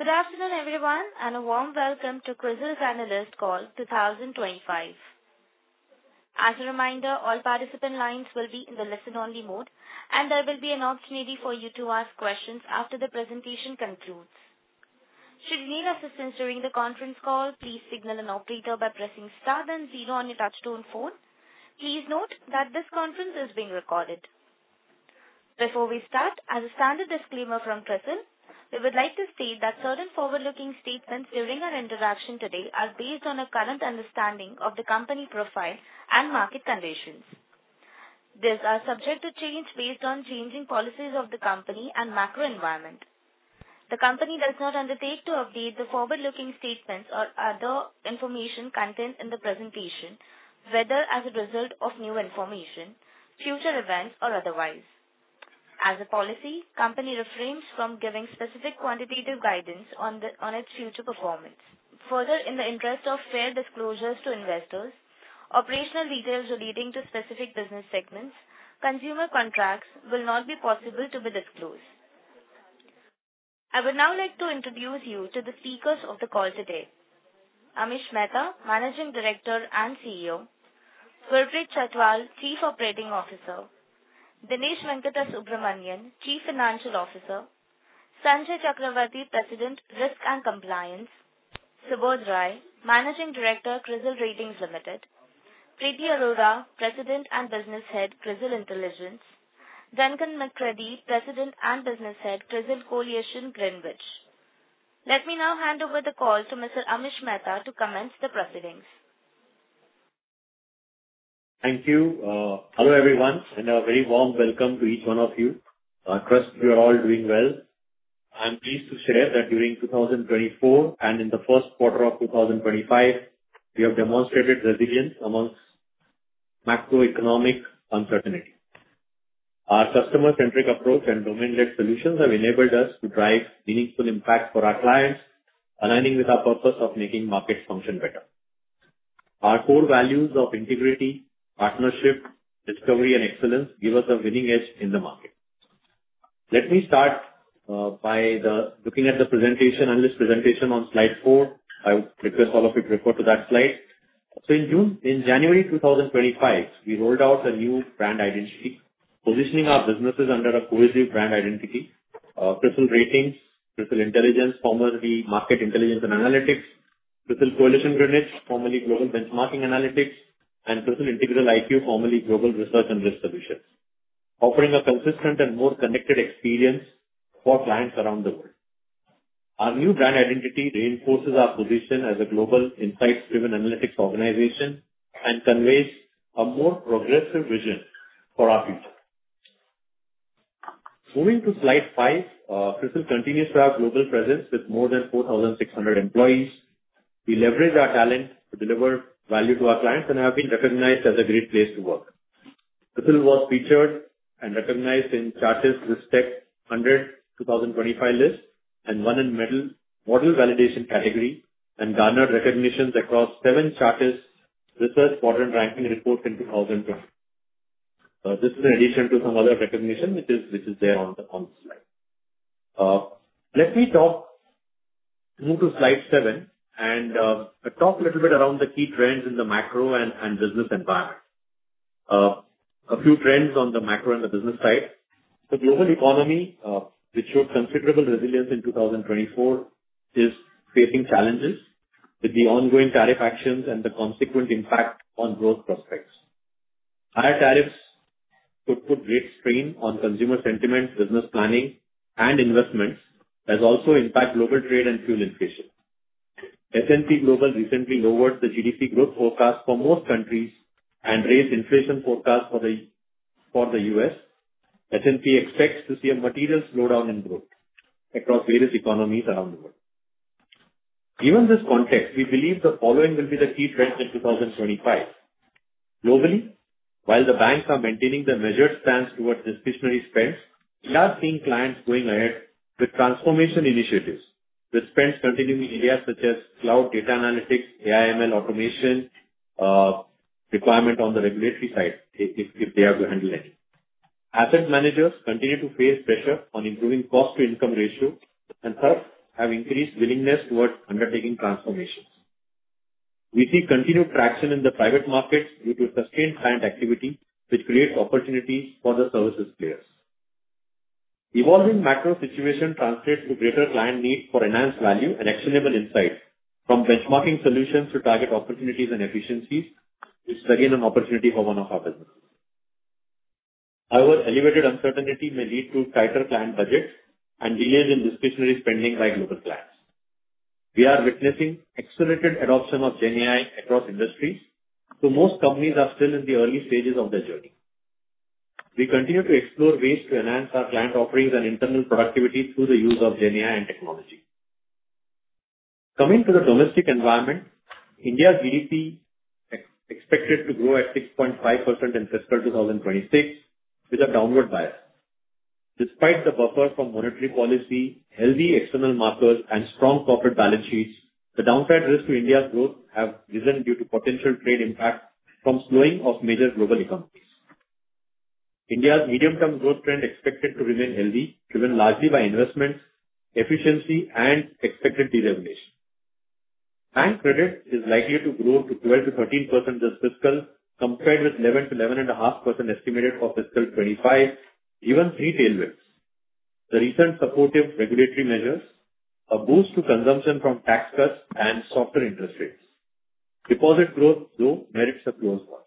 Good afternoon, everyone, and a warm welcome to CRISIL Analyst Call 2025. As a reminder, all participant lines will be in the listen-only mode, and there will be an opportunity for you to ask questions after the presentation concludes. Should you need assistance during the conference call, please signal an operator by pressing star then zero on your touch-tone phone. Please note that this conference is being recorded. Before we start, as a standard disclaimer from CRISIL, we would like to state that certain forward-looking statements during our interaction today are based on a current understanding of the company profile and market conditions. These are subject to change based on changing policies of the company and macro environment. The company does not undertake to update the forward-looking statements or other information contained in the presentation, whether as a result of new information, future events, or otherwise. As a policy, the company refrains from giving specific quantitative guidance on its future performance. Further, in the interest of fair disclosures to investors, operational details relating to specific business segments and consumer contracts will not be possible to be disclosed. I would now like to introduce you to the speakers of the call today: Amish Mehta, Managing Director and CEO, Gurpreet Chhatwal, Chief Operating Officer, Dinesh Venkatesh Subramanian, Chief Financial Officer, Sanjay Chakravarti, President, Risk and Compliance, Subodh Rai, Managing Director, CRISIL Ratings Limited, Preeti Arora, President and Business Head, CRISIL Intelligence, Duncan McCredie, President and Business Head, CRISIL Coalition Greenwich. Let me now hand over the call to Mr. Amish Mehta to commence the proceedings. Thank you. Hello, everyone, and a very warm welcome to each one of you. I trust you are all doing well. I'm pleased to share that during 2024 and in the first quarter of 2025, we have demonstrated resilience among macroeconomic uncertainty. Our customer-centric approach and domain-led solutions have enabled us to drive meaningful impact for our clients, aligning with our purpose of making markets function better. Our core values of integrity, partnership, discovery, and excellence give us a winning edge in the market. Let me start by looking at the presentation, analyst presentation on slide four. I request all of you to refer to that slide. So in January 2025, we rolled out a new brand identity, positioning our businesses under a cohesive brand identity: CRISIL Ratings, CRISIL Intelligence, formerly Market Intelligence and Analytics, CRISIL Coalition Greenwich, formerly Global Benchmarking Analytics, and CRISIL Integral IQ, formerly Global Research and Risk Solutions, offering a consistent and more connected experience for clients around the world. Our new brand identity reinforces our position as a global insights-driven analytics organization and conveys a more progressive vision for our future. Moving to slide five, CRISIL continues to have a global presence with more than 4,600 employees. We leverage our talent to deliver value to our clients and have been recognized as a great place to work. CRISIL was featured and recognized in Chartis RiskTech100 2025 list and won in the Model Validation category and garnered recognitions across seven Chartis RiskTech Quadrant ranking reports in 2024. This is in addition to some other recognition which is there on the slide. Let me move to slide seven and talk a little bit around the key trends in the macro and business environment. A few trends on the macro and the business side. The global economy, which showed considerable resilience in 2024, is facing challenges with the ongoing tariff actions and the consequent impact on growth prospects. Higher tariffs could put great strain on consumer sentiment, business planning, and investments, as also impact global trade and fuel inflation. S&P Global recently lowered the GDP growth forecast for most countries and raised inflation forecasts for the U.S. S&P expects to see a material slowdown in growth across various economies around the world. Given this context, we believe the following will be the key trends in 2025. Globally, while the banks are maintaining their measured stance towards discretionary spend, we are seeing clients going ahead with transformation initiatives, with spends continuing in areas such as cloud data analytics, AI/ML automation, and requirements on the regulatory side if they are to handle any. Asset managers continue to face pressure on improving cost-to-income ratios and thus have increased willingness towards undertaking transformations. We see continued traction in the private markets due to sustained client activity, which creates opportunities for the services players. Evolving macro situation translates to greater client need for enhanced value and actionable insights from benchmarking solutions to target opportunities and efficiencies, which is again an opportunity for one of our businesses. However, elevated uncertainty may lead to tighter client budgets and delays in discretionary spending by global clients. We are witnessing accelerated adoption of GenAI across industries, though most companies are still in the early stages of their journey. We continue to explore ways to enhance our client offerings and internal productivity through the use of GenAI and technology. Coming to the domestic environment, India's GDP is expected to grow at 6.5% in fiscal 2026, with a downward bias. Despite the buffer from monetary policy, healthy external metrics, and strong corporate balance sheets, the downside risks to India's growth have risen due to potential trade impacts from slowing of major global economies. India's medium-term growth trend is expected to remain healthy, driven largely by investments, efficiency, and expected deregulation. Bank credit is likely to grow to 12%-13% this fiscal, compared with 11%-11.5% estimated for fiscal 2025, given three tailwinds: the recent supportive regulatory measures, a boost to consumption from tax cuts, and softer interest rates. Deposit growth, though, merits a close watch.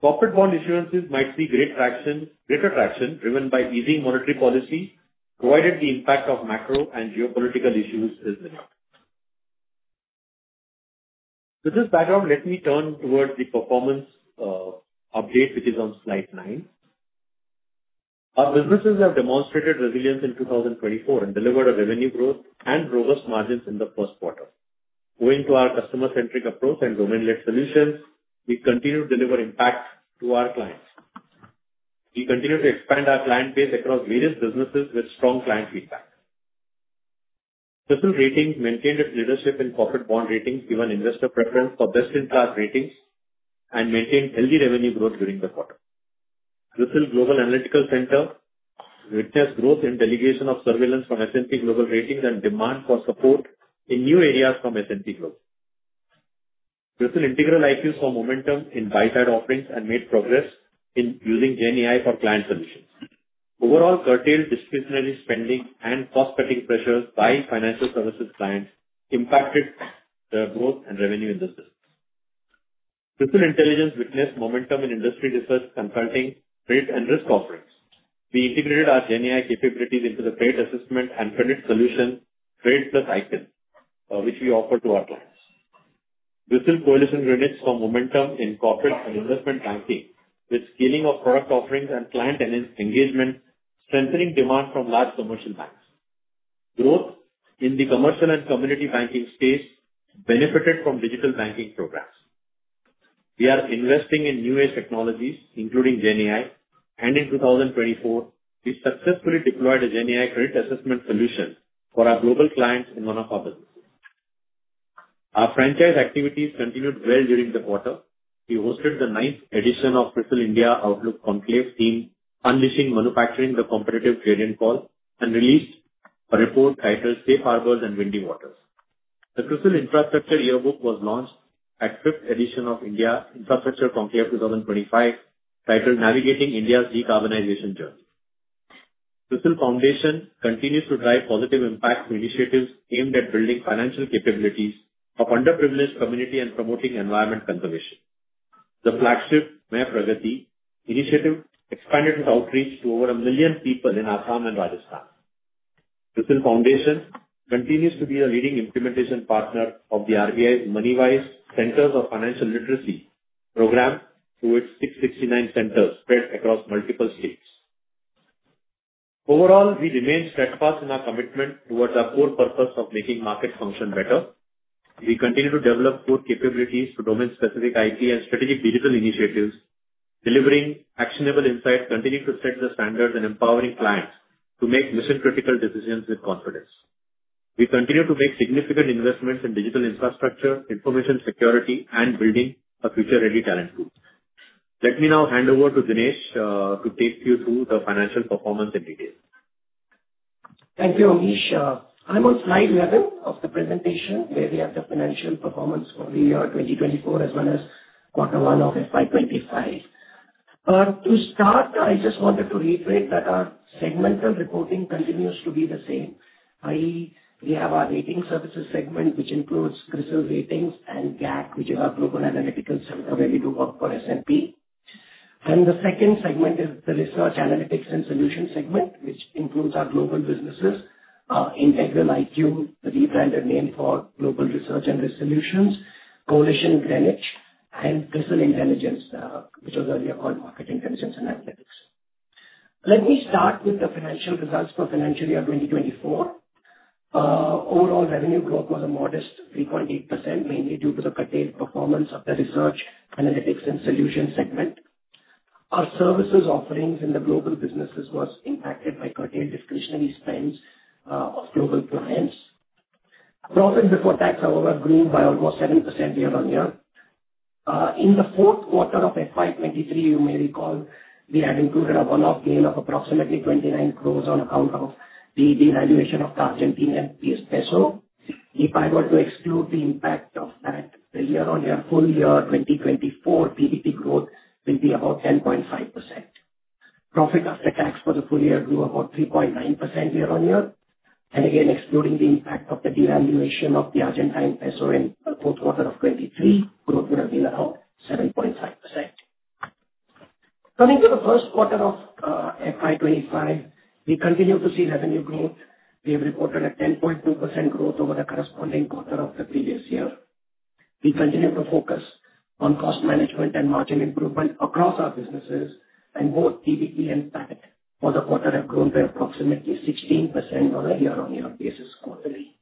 Corporate bond issuances might see greater traction driven by easing monetary policy, provided the impact of macro and geopolitical issues is minimal. With this background, let me turn towards the performance update, which is on slide nine. Our businesses have demonstrated resilience in 2024 and delivered revenue growth and robust margins in the first quarter. Going to our customer-centric approach and domain-led solutions, we continue to deliver impact to our clients. We continue to expand our client base across various businesses with strong client feedback. CRISIL Ratings maintained its leadership in corporate bond ratings, given investor preference for best-in-class ratings, and maintained healthy revenue growth during the quarter. CRISIL Global Analytical Center witnessed growth in delegation of surveillance from S&P Global Ratings and demand for support in new areas from S&P Global. CRISIL Integral IQ saw momentum in buy-side offerings and made progress in using GenAI for client solutions. Overall, curtailed discretionary spending and cost-cutting pressures by financial services clients impacted the growth and revenue in the business. CRISIL Intelligence witnessed momentum in industry research, consulting, credit, and risk offerings. We integrated our GenAI capabilities into the credit assessment and credit solution, Credit+ IQ, which we offer to our clients. CRISIL Coalition Greenwich saw momentum in corporate and investment banking, with scaling of product offerings and client engagement, strengthening demand from large commercial banks. Growth in the commercial and community banking space benefited from digital banking programs. We are investing in new-age technologies, including GenAI, and in 2024, we successfully deployed a GenAI credit assessment solution for our global clients in one of our businesses. Our franchise activities continued well during the quarter. We hosted the ninth edition of CRISIL India Outlook Conclave, themed "Unleashing Manufacturing: The Competitive Trade Call," and released a report titled "Safe Harbours and Windy Waters." The CRISIL Infrastructure Yearbook was launched at the fifth edition of India Infrastructure Conclave 2025, titled "Navigating India's Decarbonisation Journey." CRISIL Foundation continues to drive positive impact initiatives aimed at building financial capabilities of underprivileged communities and promoting environmental conservation. The flagship Mein Pragati initiative expanded its outreach to over a million people in Assam and Rajasthan. CRISIL Foundation continues to be a leading implementation partner of the RBI's MoneyWise Centres for Financial Literacy program through its 669 centers spread across multiple states. Overall, we remain steadfast in our commitment toward our core purpose of making markets function better. We continue to develop core capabilities for domain-specific IT and strategic digital initiatives, delivering actionable insights that continue to set the standards and empower clients to make mission-critical decisions with confidence. We continue to make significant investments in digital infrastructure, information security, and building a future-ready talent pool. Let me now hand over to Dinesh to take you through the financial performance in detail. Thank you, Amish. I'm on slide 11 of the presentation where we have the financial performance for the year 2024, as well as quarter one of FY 25. To start, I just wanted to reiterate that our segmental reporting continues to be the same. We have our rating services segment, which includes CRISIL Ratings and GAC, which is our global analytical center where we do work for S&P. And the second segment is the research analytics and solutions segment, which includes our global businesses, Integral IQ, the rebranded name for global research and risk solutions, Coalition Greenwich, and CRISIL Intelligence, which was earlier called Market Intelligence and Analytics. Let me start with the financial results for financial year 2024. Overall revenue growth was a modest 3.8%, mainly due to the curtailed performance of the research analytics and solutions segment. Our services offerings in the global businesses were impacted by curtailed discretionary spends of global clients. Profit before tax, however, grew by almost 7% year on year. In the fourth quarter of FY 2023, you may recall we had included a one-off gain of approximately 29 crore on account of the devaluation of the Argentine peso. If I were to exclude the impact of that, the year-on-year, full year 2024 PBT growth will be about 10.5%. Profit after tax for the full year grew about 3.9% year on year. Again, excluding the impact of the devaluation of the Argentine peso in the fourth quarter of 2023, growth would have been around 7.5%. Coming to the first quarter of FY 2025, we continue to see revenue growth. We have reported a 10.2% growth over the corresponding quarter of the previous year. We continue to focus on cost management and margin improvement across our businesses, and both PBT and PAT for the quarter have grown by approximately 16% on a year-on-year basis quarterly.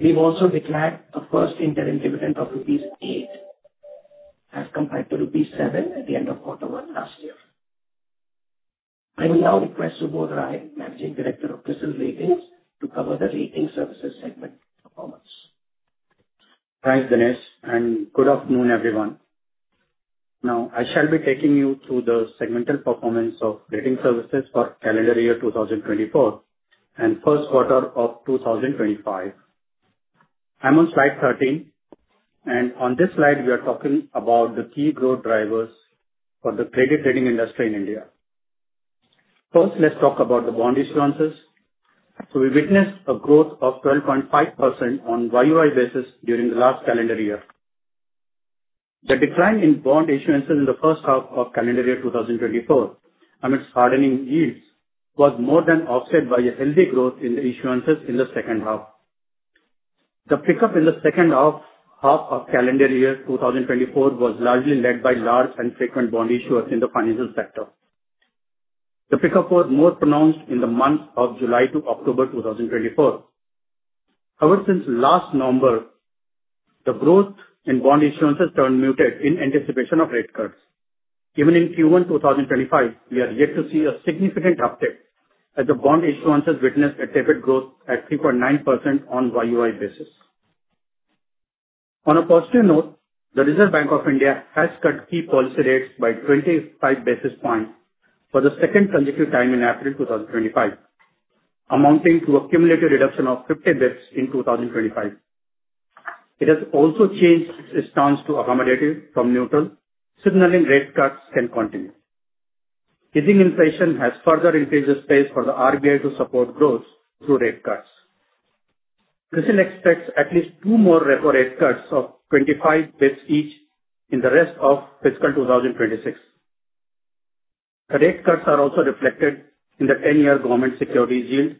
We've also declared a first interim dividend of rupees 8 as compared to rupees 7 at the end of quarter one last year. I will now request Subodh Rai, Managing Director of CRISIL Ratings, to cover the rating services segment performance. Thanks, Dinesh, and good afternoon, everyone. Now, I shall be taking you through the segmental performance of rating services for calendar year 2024 and first quarter of 2025. I'm on slide 13, and on this slide, we are talking about the key growth drivers for the credit rating industry in India. First, let's talk about the bond issuances. So we witnessed a growth of 12.5% on YoY basis during the last calendar year. The decline in bond issuances in the first half of calendar year 2024, amidst hardening yields, was more than offset by a healthy growth in the issuances in the second half. The pickup in the second half of calendar year 2024 was largely led by large and frequent bond issuers in the financial sector. The pickup was more pronounced in the months of July to October 2024. However, since last November, the growth in bond issuances turned muted in anticipation of rate cuts. Even in Q1 2025, we are yet to see a significant uptick, as the bond issuances witnessed a tepid growth at 3.9% on YoY basis. On a positive note, the Reserve Bank of India has cut key policy rates by 25 basis points for the second consecutive time in April 2025, amounting to a cumulative reduction of 50 basis points in 2025. It has also changed its stance to accommodative from neutral, signaling rate cuts can continue. Easing inflation has further increased the space for the RBI to support growth through rate cuts. CRISIL expects at least two more repo rate cuts of 25 basis points each in the rest of fiscal 2026. The rate cuts are also reflected in the 10-year government securities yield,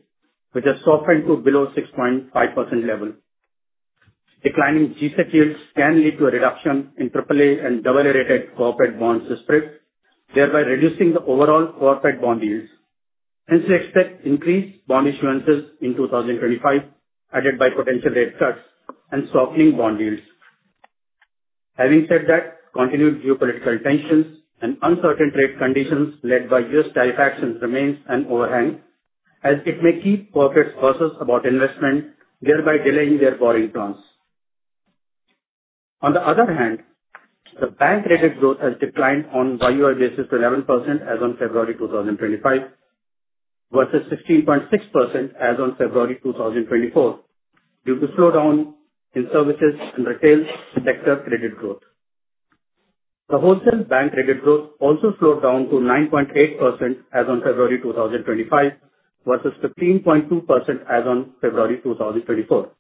which has softened to below 6.5% level. Declining G-Secs yields can lead to a reduction in AAA and AA rated corporate bond spreads, thereby reducing the overall corporate bond yields. Hence, we expect increased bond issuances in 2025, aided by potential rate cuts and softening bond yields. Having said that, continued geopolitical tensions and uncertain trade conditions led by U.S. tariff actions remain an overhang, as it may keep corporates cautious about investment, thereby delaying their borrowing plans. On the other hand, the bank credit growth has declined on YoY basis to 11% as of February 2025, versus 16.6% as of February 2024, due to slowdown in services and retail sector credit growth. The wholesale bank credit growth also slowed down to 9.8% as of February 2025, versus 15.2% as of February 2024.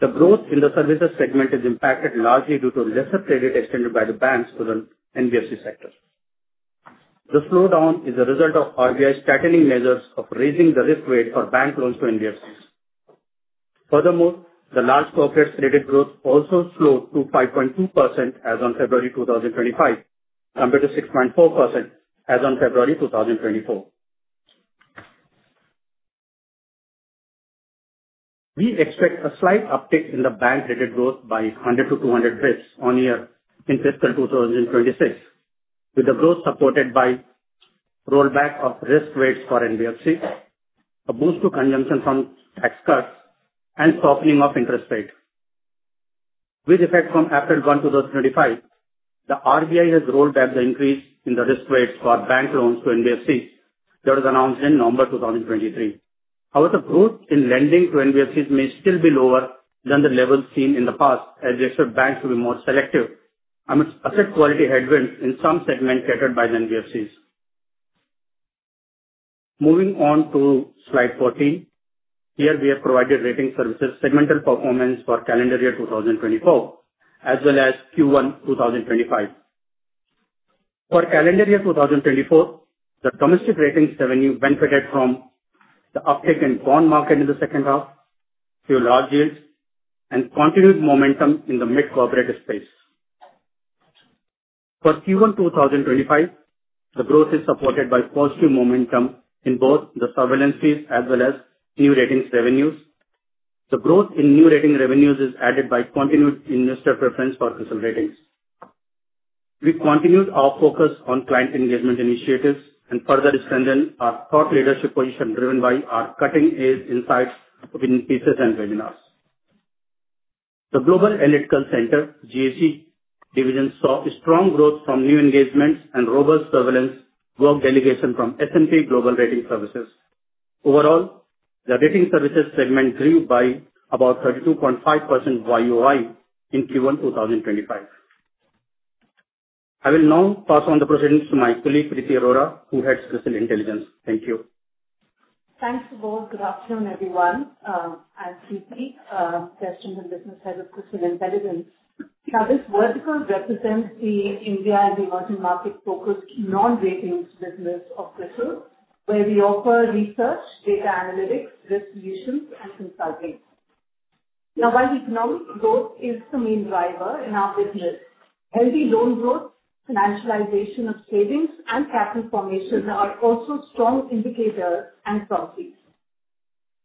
The growth in the services segment is impacted largely due to lesser credit extended by the banks to the NBFC sector. The slowdown is the result of RBI's tightening measures of raising the risk weight for bank loans to NBFCs. Furthermore, the large corporate credit growth also slowed to 5.2% as of February 2025, compared to 6.4% as of February 2024. We expect a slight uptick in the bank credit growth by 100 to 200 basis points on year in fiscal 2026, with the growth supported by rollback of risk weights for NBFC, a boost to consumption from tax cuts, and softening of interest rate. With effect from April 1, 2025, the RBI has rolled back the increase in the risk weights for bank loans to NBFCs, that was announced in November 2023. However, the growth in lending to NBFCs may still be lower than the levels seen in the past, as they expect banks to be more selective amidst asset quality headwinds in some segments catered by the NBFCs. Moving on to slide 14, here we have provided rating services segmental performance for calendar year 2024, as well as Q1 2025. For calendar year 2024, the domestic ratings revenue benefited from the uptick in bond market in the second half, a few large deals, and continued momentum in the mid-corporate space. For Q1 2025, the growth is supported by positive momentum in both the surveillance as well as new ratings revenues. The growth in new rating revenues is aided by continued investor preference for CRISIL ratings. We continued our focus on client engagement initiatives and further strengthened our thought leadership position driven by our cutting-edge insights, white papers, and webinars. The Global Analytical Center, GAC division, saw strong growth from new engagements and robust surveillance work delegation from S&P Global Ratings. Overall, the rating services segment grew by about 32.5% YoY in Q1 2025. I will now pass on the proceedings to my colleague Preeti Arora, who heads CRISIL Intelligence. Thank you. Thanks, Subodh. Good afternoon, everyone. I'm Preeti, the Business Head of CRISIL Intelligence. Now, this vertical represents the India and the emerging market-focused non-ratings business of CRISIL, where we offer research, data analytics, risk solutions, and consulting. Now, while economic growth is the main driver in our business, healthy loan growth, financialization of savings, and capital formation are also strong indicators and proxies.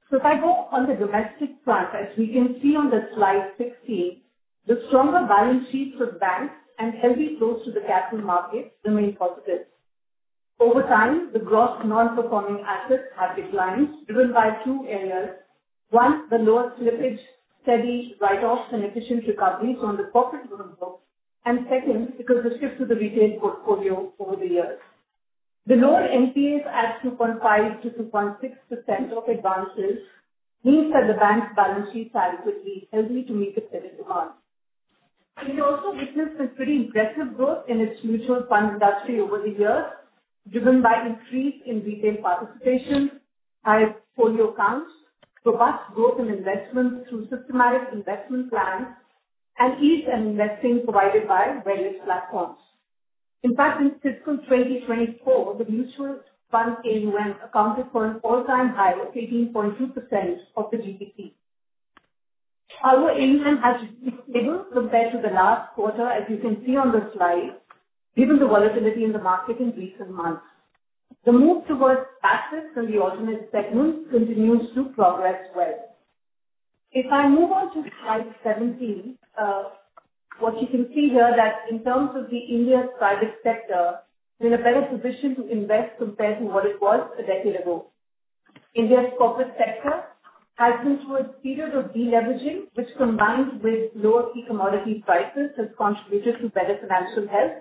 So if I go on the domestic front, as we can see on the slide 16, the stronger balance sheets of banks and healthy flows to the capital markets remain positive. Over time, the gross non-performing assets have declined, driven by two areas. One, the lower slippage, steady write-offs, and efficient recoveries on the corporate book. And second, because the shift to the retail portfolio over the years. The lower NPAs at 2.5%-2.6% of advances means that the bank's balance sheets are equally healthy to meet its lending demands. We also witnessed this pretty impressive growth in its mutual fund industry over the years, driven by increase in retail participation, higher portfolio counts, robust growth in investments through systematic investment plans, and ease in investing provided by various platforms. In fact, in fiscal 2024, the mutual fund AUM accounted for an all-time high of 18.2% of the GDP. Our AUM has stayed stable compared to the last quarter, as you can see on the slide, given the volatility in the market in recent months. The move towards passive and the alternative segments continues to progress well. If I move on to slide 17, what you can see here is that in terms of India's private sector, we're in a better position to invest compared to what it was a decade ago. India's corporate sector has been through a period of deleveraging, which combined with lower key commodity prices has contributed to better financial health.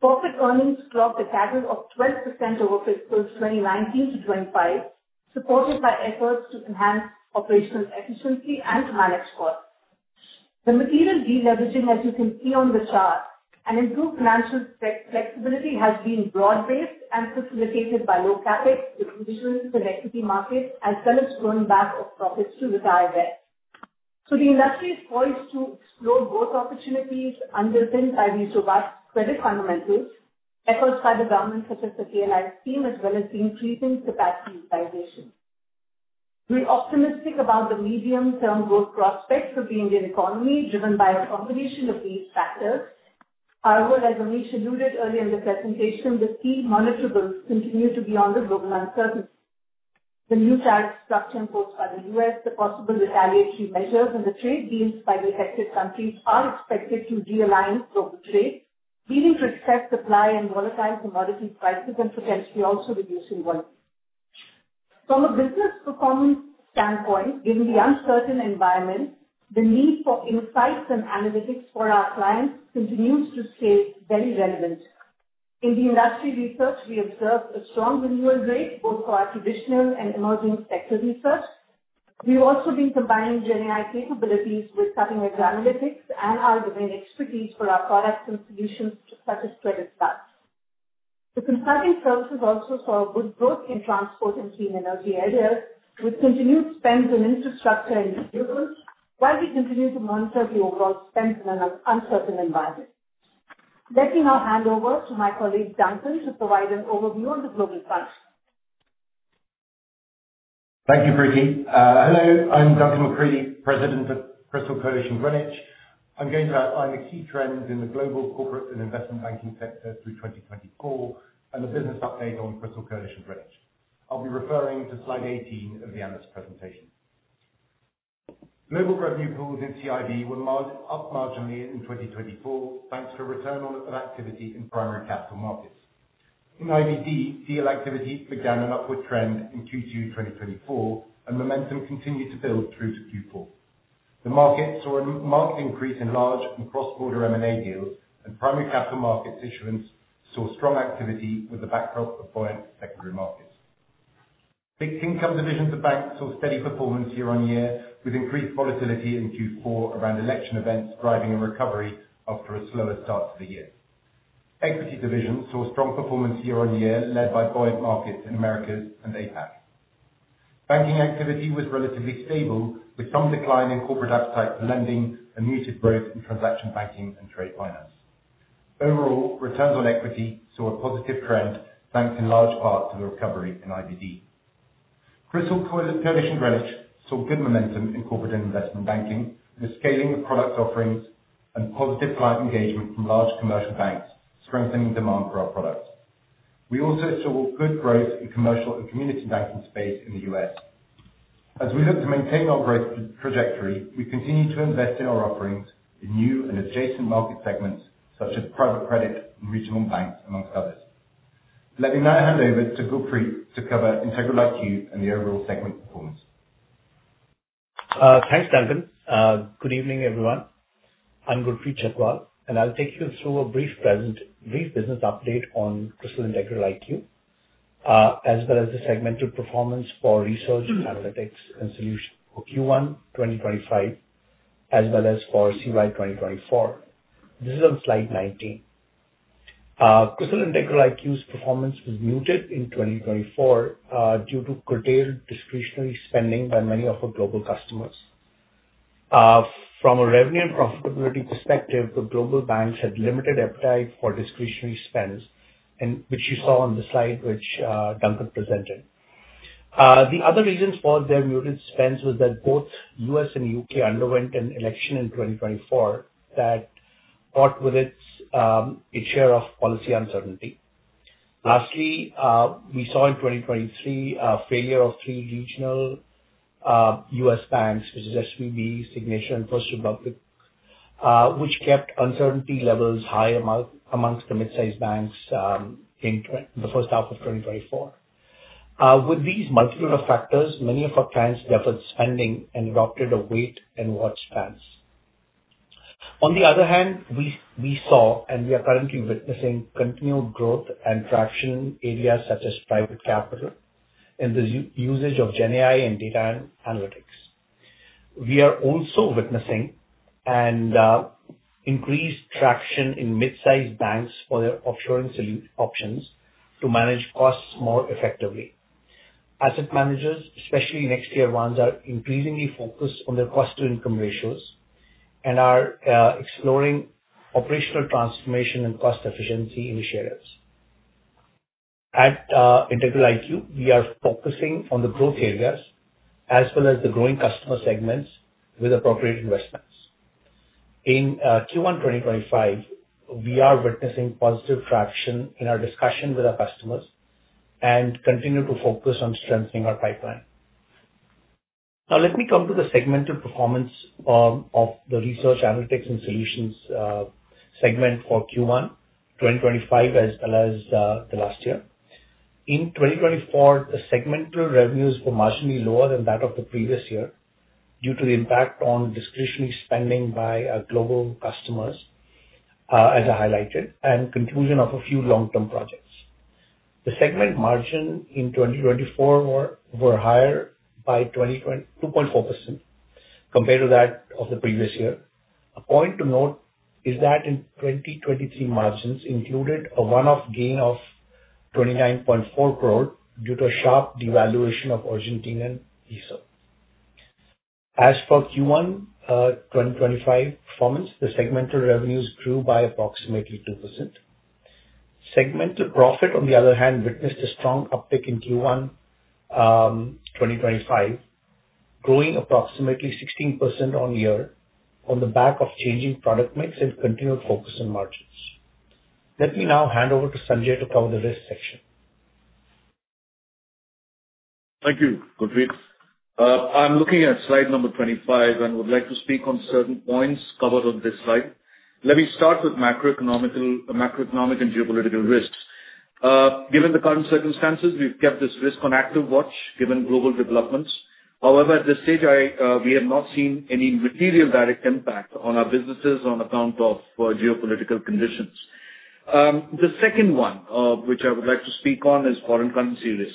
Corporate earnings clocked a CAGR of 12% over fiscal 2019 to 2025, supported by efforts to enhance operational efficiency and to manage costs. The material deleveraging, as you can see on the chart, and improved financial flexibility has been broad-based and facilitated by low CapEx, the conditions in equity markets, as well as plowing back of profits to retire debt. So the industry is poised to explore both opportunities underpinned by these robust credit fundamentals, efforts by the government, such as the PLI scheme, as well as the increasing capacity utilization. We're optimistic about the medium-term growth prospects of the Indian economy, driven by a combination of these factors. However, as Amish alluded earlier in the presentation, the key monitorables continue to be on the global uncertainty. The new tariff structure imposed by the U.S., the possible retaliatory measures, and the trade deals by the affected countries are expected to realign global trade, leading to excess supply and volatile commodity prices and potentially also reducing volume. From a business performance standpoint, given the uncertain environment, the need for insights and analytics for our clients continues to stay very relevant. In the industry research, we observe a strong renewal rate, both for our traditional and emerging sector research. We've also been combining GenAI capabilities with cutting-edge analytics and our domain expertise for our products and solutions, such as credit cards. The consulting services also saw a good growth in transport and clean energy areas, with continued spends in infrastructure and vehicles, while we continue to monitor the overall spend in an uncertain environment. Let me now hand over to my colleague Duncan to provide an overview on the global front. Thank you, Preeti. Hello, I'm Duncan McCredie, President of CRISIL Coalition Greenwich. I'm going to outline the key trends in the global corporate and investment banking sector through 2024 and the business update on CRISIL Coalition Greenwich. I'll be referring to slide 18 of the analyst presentation. Global revenue pools in CIB were up marginally in 2024 thanks to a return on activity in primary capital markets. In IBD, deal activity began an upward trend in Q2 2024, and momentum continued to build through to Q4. The market saw a marked increase in large and cross-border M&A deals, and primary capital markets issuance saw strong activity with the backdrop of buoyant secondary markets. Fixed income divisions of banks saw steady performance year on year, with increased volatility in Q4 around election events driving a recovery after a slower start to the year. Equity divisions saw strong performance year on year, led by buoyant markets in Americas and APAC. Banking activity was relatively stable, with some decline in corporate appetite for lending and muted growth in transaction banking and trade finance. Overall, returns on equity saw a positive trend thanks in large part to the recovery in IBD. CRISIL Coalition Greenwich saw good momentum in corporate and investment banking, with scaling of product offerings and positive client engagement from large commercial banks strengthening demand for our products. We also saw good growth in commercial and community banking space in the U.S. As we look to maintain our growth trajectory, we continue to invest in our offerings in new and adjacent market segments, such as private credit and regional banks, amongst others. Let me now hand over to Gurpreet to cover Integral IQ and the overall segment performance. Thanks, Duncan. Good evening, everyone. I'm Gurpreet Chhatwal, and I'll take you through a brief business update on CRISIL Integral IQ, as well as the segmental performance for research, analytics, and solutions for Q1 2025, as well as for CY 2024. This is on slide 19. CRISIL Integral IQ's performance was muted in 2024 due to curtailed discretionary spending by many of our global customers. From a revenue and profitability perspective, the global banks had limited appetite for discretionary spends, which you saw on the slide which Duncan presented. The other reason for their muted spends was that both U.S. and U.K. underwent an election in 2024 that brought with it its share of policy uncertainty. Lastly, we saw in 2023 a failure of three regional U.S. banks, which is SVB, Signature, and First Republic, which kept uncertainty levels high among the mid-size banks in the first half of 2024. With these multitude of factors, many of our clients deferred spending and adopted a wait-and-watch stance. On the other hand, we saw and we are currently witnessing continued growth and traction in areas such as private capital and the usage of GenAI and data analytics. We are also witnessing an increased traction in mid-size banks for their offshoring options to manage costs more effectively. Asset managers, especially next-gen ones, are increasingly focused on their cost-to-income ratios and are exploring operational transformation and cost efficiency initiatives. At Integral IQ, we are focusing on the growth areas as well as the growing customer segments with appropriate investments. In Q1 2025, we are witnessing positive traction in our discussion with our customers and continue to focus on strengthening our pipeline. Now, let me come to the segmental performance of the research, analytics, and solutions segment for Q1 2025, as well as the last year. In 2024, the segmental revenues were marginally lower than that of the previous year due to the impact on discretionary spending by our global customers, as I highlighted, and conclusion of a few long-term projects. The segment margin in 2024 were higher by 2.4% compared to that of the previous year. A point to note is that in 2023, margins included a one-off gain of 29.4 crore due to a sharp devaluation of Argentine peso. As for Q1 2025 performance, the segmental revenues grew by approximately 2%. Segmental profit, on the other hand, witnessed a strong uptick in Q1 2025, growing approximately 16% on year on the back of changing product mix and continued focus on margins. Let me now hand over to Sanjay to cover the risk section. Thank you, Gurpreet. I'm looking at slide number 25 and would like to speak on certain points covered on this slide. Let me start with macroeconomic and geopolitical risks. Given the current circumstances, we've kept this risk on active watch given global developments. However, at this stage, we have not seen any material direct impact on our businesses on account of geopolitical conditions. The second one, which I would like to speak on, is foreign currency risk.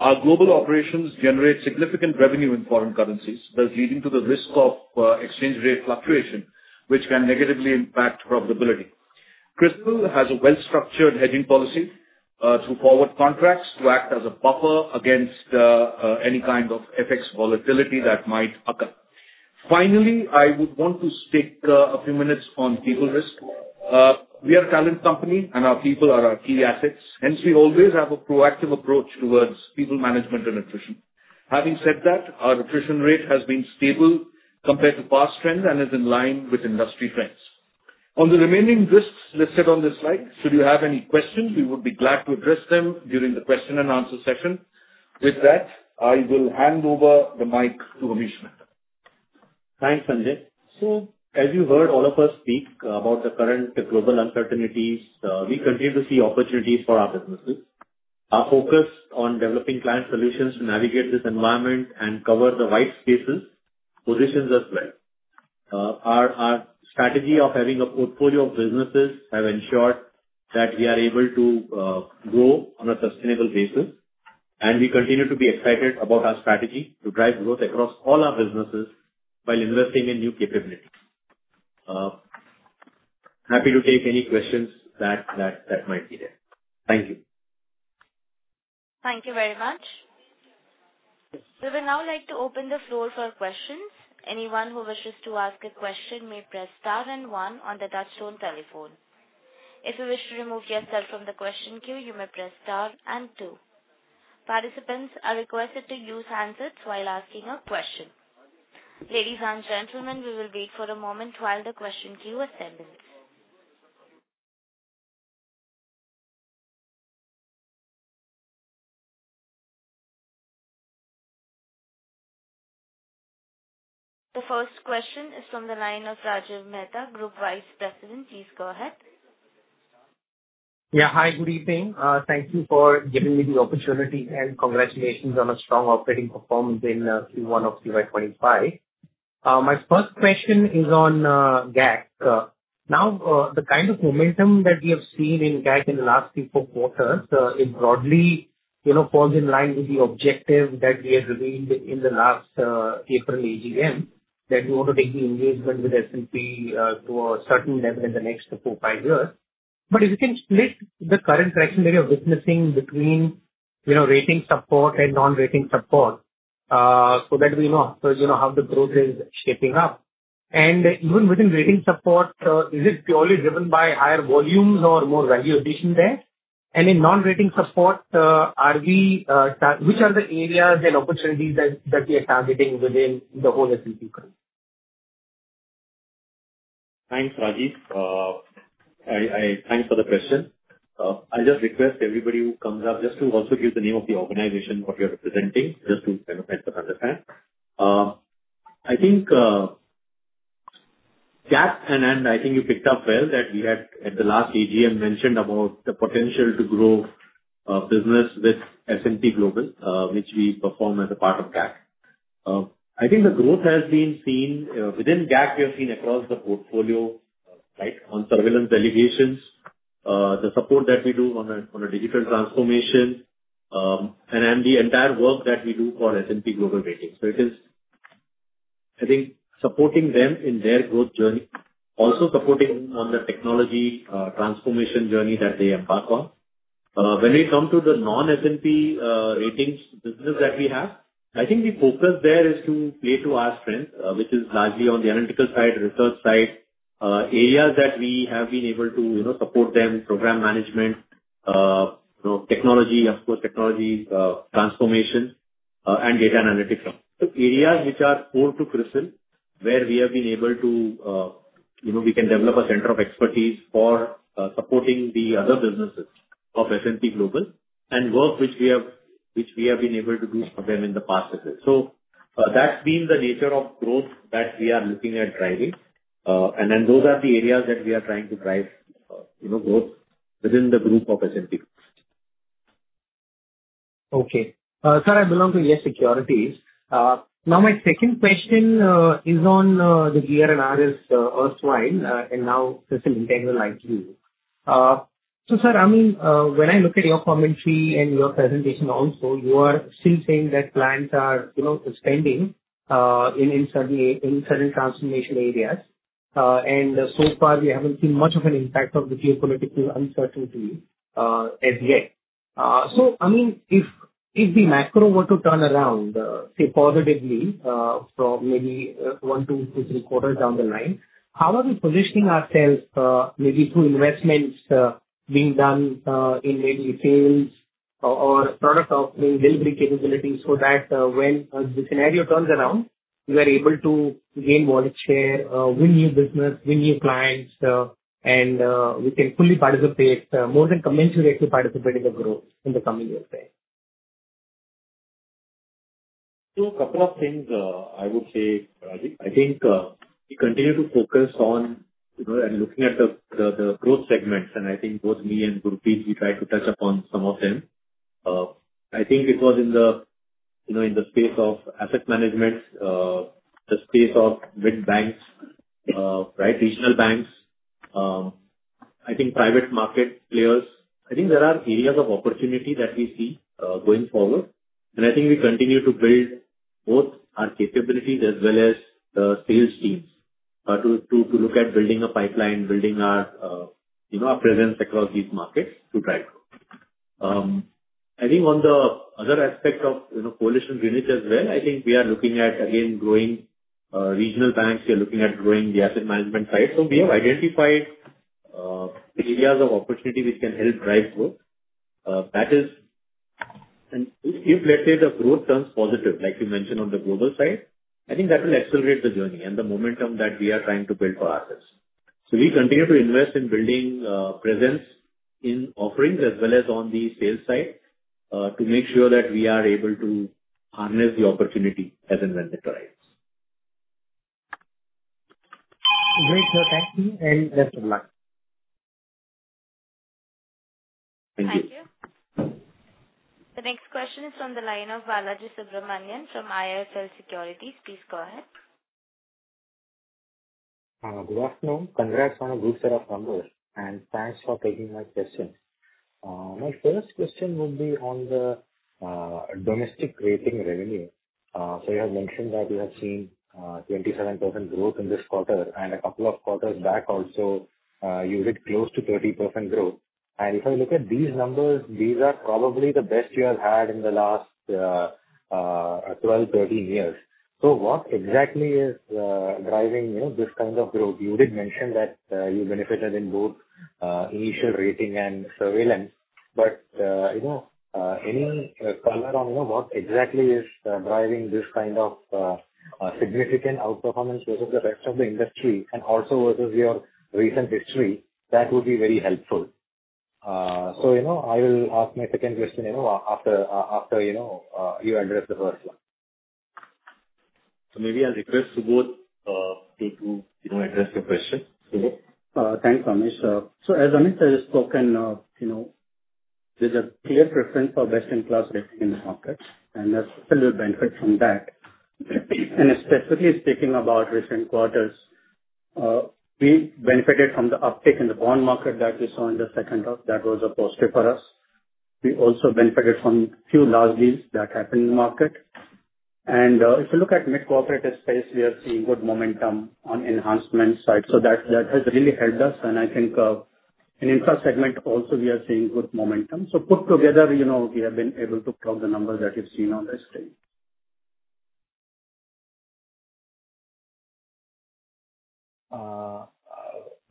Our global operations generate significant revenue in foreign currencies, thus leading to the risk of exchange rate fluctuation, which can negatively impact profitability. CRISIL has a well-structured hedging policy through forward contracts to act as a buffer against any kind of FX volatility that might occur. Finally, I would want to spend a few minutes on people risk. We are a talent company, and our people are our key assets. Hence, we always have a proactive approach towards people management and attrition. Having said that, our attrition rate has been stable compared to past trends and is in line with industry trends. On the remaining risks listed on this slide, should you have any questions, we would be glad to address them during the question and answer session. With that, I will hand over the mic to Amish Mehta. Thanks, Sanjay. So, as you heard all of us speak about the current global uncertainties, we continue to see opportunities for our businesses. Our focus on developing client solutions to navigate this environment and cover the white spaces positions as well. Our strategy of having a portfolio of businesses has ensured that we are able to grow on a sustainable basis, and we continue to be excited about our strategy to drive growth across all our businesses while investing in new capabilities. Happy to take any questions that might be there. Thank you. Thank you very much. We would now like to open the floor for questions. Anyone who wishes to ask a question may press star and one on the touch-tone telephone. If you wish to remove yourself from the question queue, you may press star and two. Participants are requested to use handsets while asking a question. Ladies and gentlemen, we will wait for a moment while the question queue builds. The first question is from the line of Rajiv Mehta, Group Vice President. Please go ahead. Yeah, hi, good evening. Thank you for giving me the opportunity and congratulations on a strong operating performance in Q1 of CY 25. My first question is on GAC. Now, the kind of momentum that we have seen in GAC in the last few quarters broadly falls in line with the objective that we had revealed in the last April AGM, that we want to take the engagement with S&P to a certain level in the next four, five years. But if you can split the current traction that we are witnessing between rating support and non-rating support so that we know how the growth is shaping up? And even within rating support, is it purely driven by higher volumes or more value addition there? And in non-rating support, which are the areas and opportunities that we are targeting within the whole S&P group? Thanks, Rajiv. Thanks for the question. I just request everybody who comes up just to also give the name of the organization what you're representing, just to kind of help us understand. I think GAC, and I think you picked up well that we had, at the last AGM, mentioned about the potential to grow business with S&P Global, which we perform as a part of GAC. I think the growth has been seen within GAC. We have seen across the portfolio on surveillance delegations, the support that we do on a digital transformation, and the entire work that we do for S&P Global Ratings. So it is, I think, supporting them in their growth journey, also supporting on the technology transformation journey that they embark on. When we come to the non-S&P ratings business that we have, I think the focus there is to play to our strengths, which is largely on the analytical side, research side, areas that we have been able to support them, program management, technology, of course, technology transformation, and data analytics. So areas which are core to CRISIL, where we have been able to, we can develop a center of expertise for supporting the other businesses of S&P Global and work which we have been able to do for them in the past. So that's been the nature of growth that we are looking at driving, and then those are the areas that we are trying to drive growth within the group of S&P. Okay. Sir, I belong to YES Securities. Now, my second question is on the GR&RS worldwide and now CRISIL Integral IQ. So, sir, I mean, when I look at your commentary and your presentation also, you are still saying that plans are suspending in certain transformation areas. And so far, we haven't seen much of an impact of the geopolitical uncertainty as yet. So, I mean, if the macro were to turn around, say, positively from maybe one, two, to three quarters down the line, how are we positioning ourselves maybe through investments being done in maybe sales or product offering delivery capabilities so that when the scenario turns around, we are able to gain market share, win new business, win new clients, and we can fully participate more than commensurate to participate in the growth in the coming years, right? A couple of things I would say, Rajiv. I think we continue to focus on and looking at the growth segments. I think both me and Gurpreet, we tried to touch upon some of them. I think it was in the space of asset management, the space of mid-banks, right, regional banks, I think private market players. I think there are areas of opportunity that we see going forward. I think we continue to build both our capabilities as well as the sales teams to look at building a pipeline, building our presence across these markets to try to. I think on the other aspect of Coalition Greenwich as well, I think we are looking at, again, growing regional banks. We are looking at growing the asset management side. We have identified areas of opportunity which can help drive growth. That is, if, let's say, the growth turns positive, like you mentioned on the global side, I think that will accelerate the journey and the momentum that we are trying to build for ourselves. So we continue to invest in building presence in offerings as well as on the sales side to make sure that we are able to harness the opportunity as and when it arrives. Great. Sir, thank you. And best of luck. Thank you. Thank you. The next question is from the line of Balaji Subramanian from IIFL Securities. Please go ahead. Good afternoon. Congrats on a good set of numbers, and thanks for taking my question. My first question would be on the domestic rating revenue so you have mentioned that you have seen 27% growth in this quarter, and a couple of quarters back also, you did close to 30% growth, and if I look at these numbers, these are probably the best you have had in the last 12, 13 years, so what exactly is driving this kind of growth? You did mention that you benefited in both initial rating and surveillance, but any color on what exactly is driving this kind of significant outperformance versus the rest of the industry and also versus your recent history, that would be very helpful, so I will ask my second question after you address the first one. So maybe I'll request Subodh to address your question. Thanks, Amish. So, as Amish has spoken, there's a clear preference for best-in-class rating in the market, and there's a little benefit from that. And specifically speaking about recent quarters, we benefited from the uptick in the bond market that we saw in the second half that was a positive for us. We also benefited from a few large deals that happened in the market. And if you look at mid-corporate space, we are seeing good momentum on enhancement side. So that has really helped us. And I think in infra segment also, we are seeing good momentum. So put together, we have been able to plug the numbers that you've seen on the screen.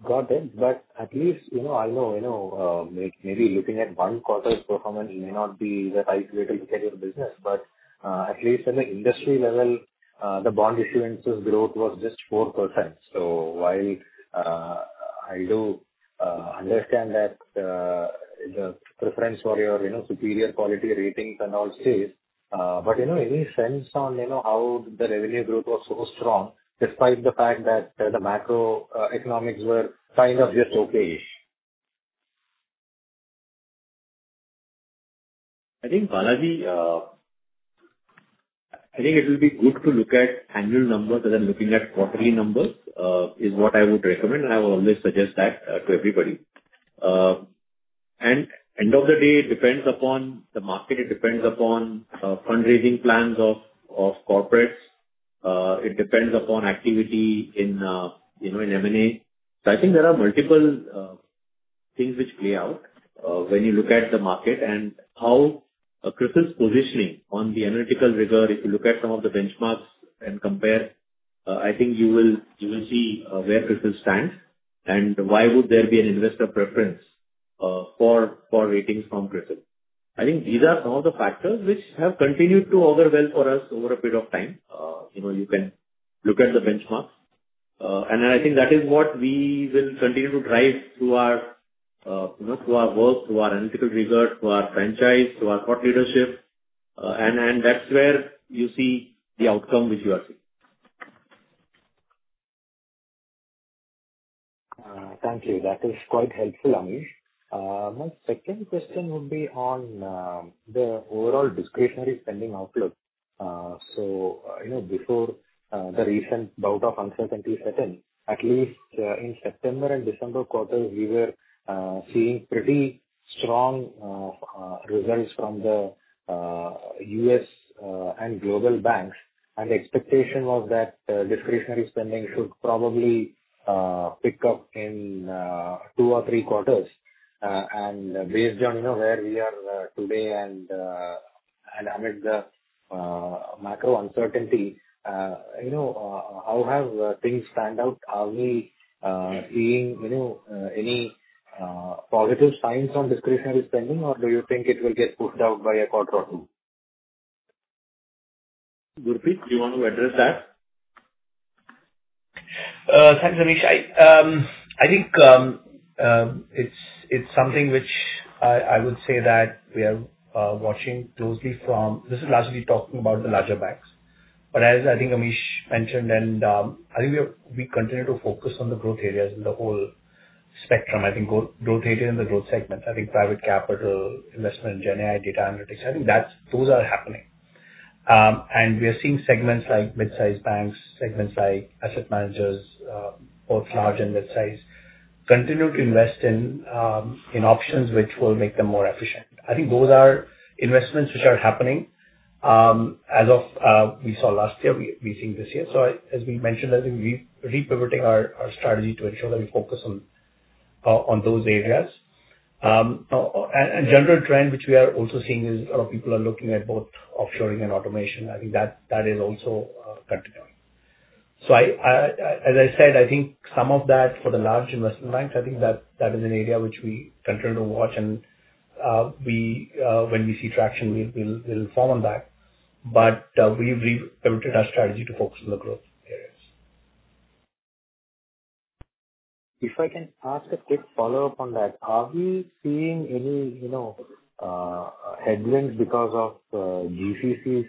Got it. But at least I know maybe looking at one quarter's performance may not be the right way to look at your business. But at least at the industry level, the bond issuance's growth was just 4%. So while I do understand that the preference for your superior quality ratings and all stays, but any sense on how the revenue growth was so strong despite the fact that the macroeconomics were kind of just okay-ish? I think, Balaji, I think it will be good to look at annual numbers rather than looking at quarterly numbers is what I would recommend. I will always suggest that to everybody. And end of the day, it depends upon the market. It depends upon fundraising plans of corporates. It depends upon activity in M&A. So I think there are multiple things which play out when you look at the market and how CRISIL's positioning on the analytical rigor. If you look at some of the benchmarks and compare, I think you will see where CRISIL stands and why would there be an investor preference for ratings from CRISIL. I think these are some of the factors which have continued to overwhelm for us over a period of time. You can look at the benchmarks. I think that is what we will continue to drive through our work, through our analytical rigor, through our franchise, through our thought leadership. That's where you see the outcome which you are seeing. Thank you. That is quite helpful, Amish. My second question would be on the overall discretionary spending outlook. So before the recent bout of uncertainty set in, at least in September and December quarters, we were seeing pretty strong results from the U.S. and global banks. And the expectation was that discretionary spending should probably pick up in two or three quarters. And based on where we are today and amid the macro uncertainty, how have things panned out? Are we seeing any positive signs on discretionary spending, or do you think it will get pushed out by a quarter or two? Gurpreet, do you want to address that? Thanks, Amish. I think it's something which I would say that we are watching closely from. This is largely talking about the larger banks. But as I think Amish mentioned, and I think we continue to focus on the growth areas in the whole spectrum. I think growth areas in the growth segment. I think private capital investment, GenAI, data analytics. I think those are happening. And we are seeing segments like mid-size banks, segments like asset managers, both large and mid-size, continue to invest in options which will make them more efficient. I think those are investments which are happening as of we saw last year, we're seeing this year. So as we mentioned, I think we're re-pivoting our strategy to ensure that we focus on those areas. And a general trend which we are also seeing is a lot of people are looking at both offshoring and automation. I think that is also continuing. So as I said, I think some of that for the large investment banks, I think that is an area which we continue to watch. And when we see traction, we'll fall on that. But we've re-pivoted our strategy to focus on the growth areas. If I can ask a quick follow-up on that, are we seeing any headwinds because of GCCs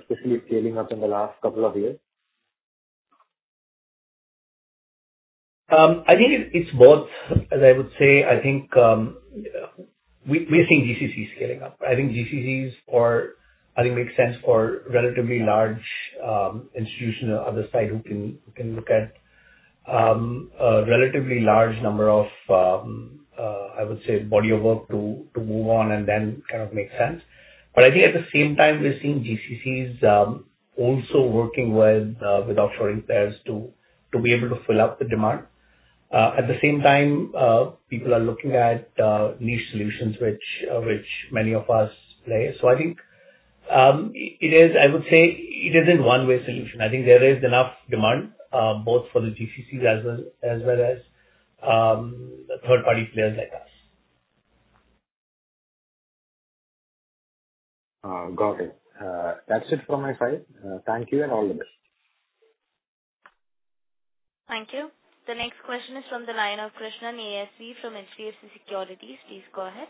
especially scaling up in the last couple of years? I think it's both. As I would say, I think we're seeing GCCs scaling up. I think GCCs make sense for relatively large institutions on the side who can look at a relatively large number of, I would say, body of work to move on and then kind of make sense. But I think at the same time, we're seeing GCCs also working with offshoring players to be able to fill up the demand. At the same time, people are looking at niche solutions which many of us play. So I think it is, I would say, it isn't a one-way solution. I think there is enough demand both for the GCCs as well as third-party players like us. Got it. That's it from my side. Thank you and all the best. Thank you. The next question is from the line of Krishnan ASV from HDFC Securities. Please go ahead.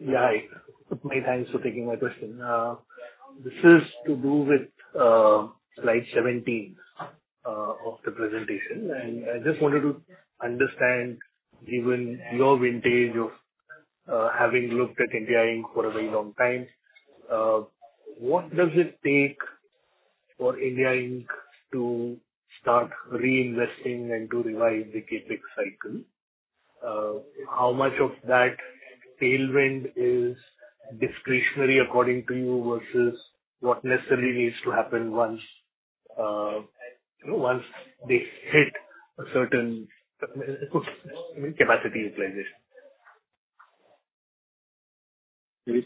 Yeah. Many thanks for taking my question. This is to do with slide 17 of the presentation, and I just wanted to understand, given your vintage of having looked at India Inc for a very long time, what does it take for India Inc to start reinvesting and to revive the CapEx cycle? How much of that tailwind is discretionary according to you versus what necessarily needs to happen once they hit a certain capacity utilization?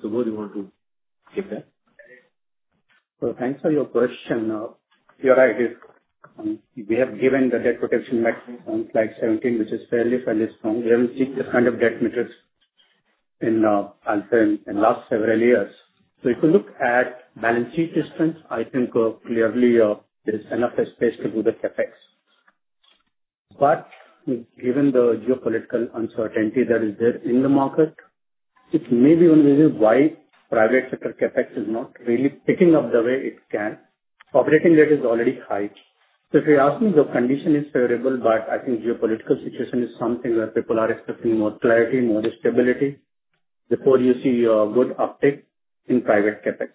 Subodh, you want to skip that? So thanks for your question. You're right. We have given the debt protection metrics on slide 17, which is fairly, fairly strong. We haven't seen this kind of debt metrics in the last several years. So if you look at balance sheet distance, I think clearly there's enough space to do the CapEx. But given the geopolitical uncertainty that is there in the market, it may be one of the reasons why private sector CapEx is not really picking up the way it can. Operating rate is already high. So if you ask me, the condition is favorable, but I think geopolitical situation is something where people are expecting more clarity, more stability before you see a good uptick in private CapEx.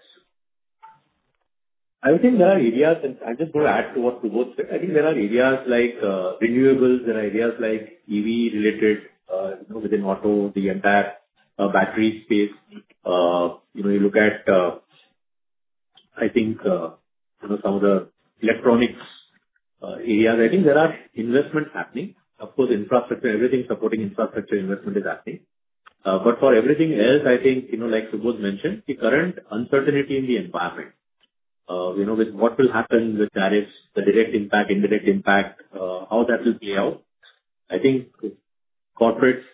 I would think there are areas. I'm just going to add to what Subodh said. I think there are areas like renewables. There are areas like EV-related within auto, the entire battery space. You look at, I think, some of the electronics areas. I think there are investments happening. Of course, infrastructure, everything supporting infrastructure investment is happening. But for everything else, I think, like Subodh mentioned, the current uncertainty in the environment with what will happen with tariffs, the direct impact, indirect impact, how that will play out. I think corporates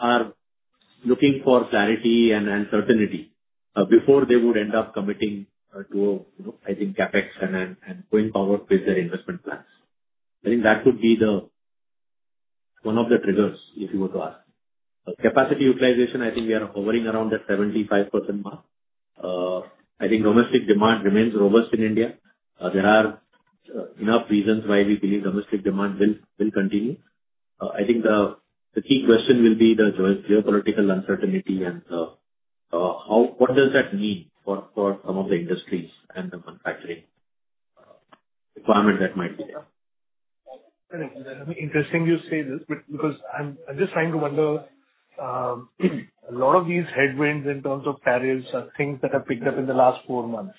are looking for clarity and uncertainty before they would end up committing to, I think, CapEx and going forward with their investment plans. I think that would be one of the triggers, if you were to ask. Capacity utilization, I think we are hovering around the 75% mark. I think domestic demand remains robust in India. There are enough reasons why we believe domestic demand will continue. I think the key question will be the geopolitical uncertainty and what does that mean for some of the industries and the manufacturing requirement that might be there. Interesting you say this because I'm just trying to wonder, a lot of these headwinds in terms of tariffs are things that have picked up in the last four months,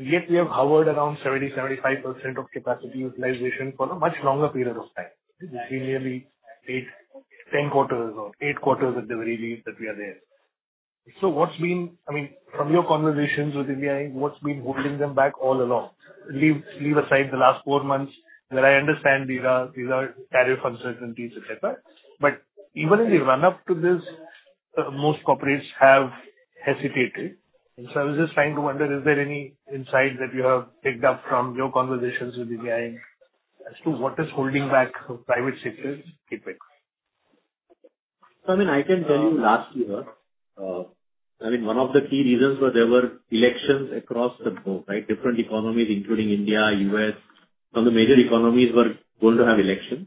yet we have hovered around 70%-75% of capacity utilization for a much longer period of time. We nearly hit 10 quarters or eight quarters at the very least that we are there. What's been, I mean, from your conversations with India Inc, what's been holding them back all along? Leave aside the last four months where I understand these are tariff uncertainties, etc. Even in the run-up to this, most corporates have hesitated, so I was just trying to wonder, is there any insight that you have picked up from your conversations with India Inc as to what is holding back private sector CapEx? I mean, I can tell you last year, I mean, one of the key reasons was there were elections across the board, right? Different economies, including India, U.S., some of the major economies were going to have elections.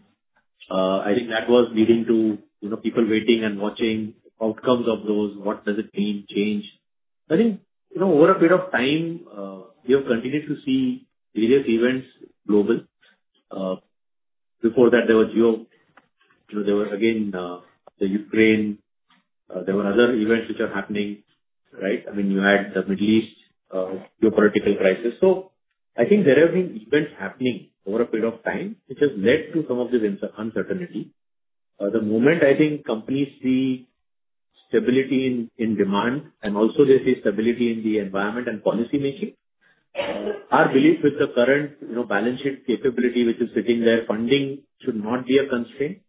I think that was leading to people waiting and watching outcomes of those, what does it mean, change. I think over a period of time, we have continued to see various events global. Before that, there were again the Ukraine. There were other events which are happening, right? I mean, you had the Middle East geopolitical crisis. So I think there have been events happening over a period of time, which has led to some of this uncertainty. The moment, I think, companies see stability in demand and also they see stability in the environment and policymaking. Our belief with the current balance sheet capability, which is sitting there, funding should not be a constraint,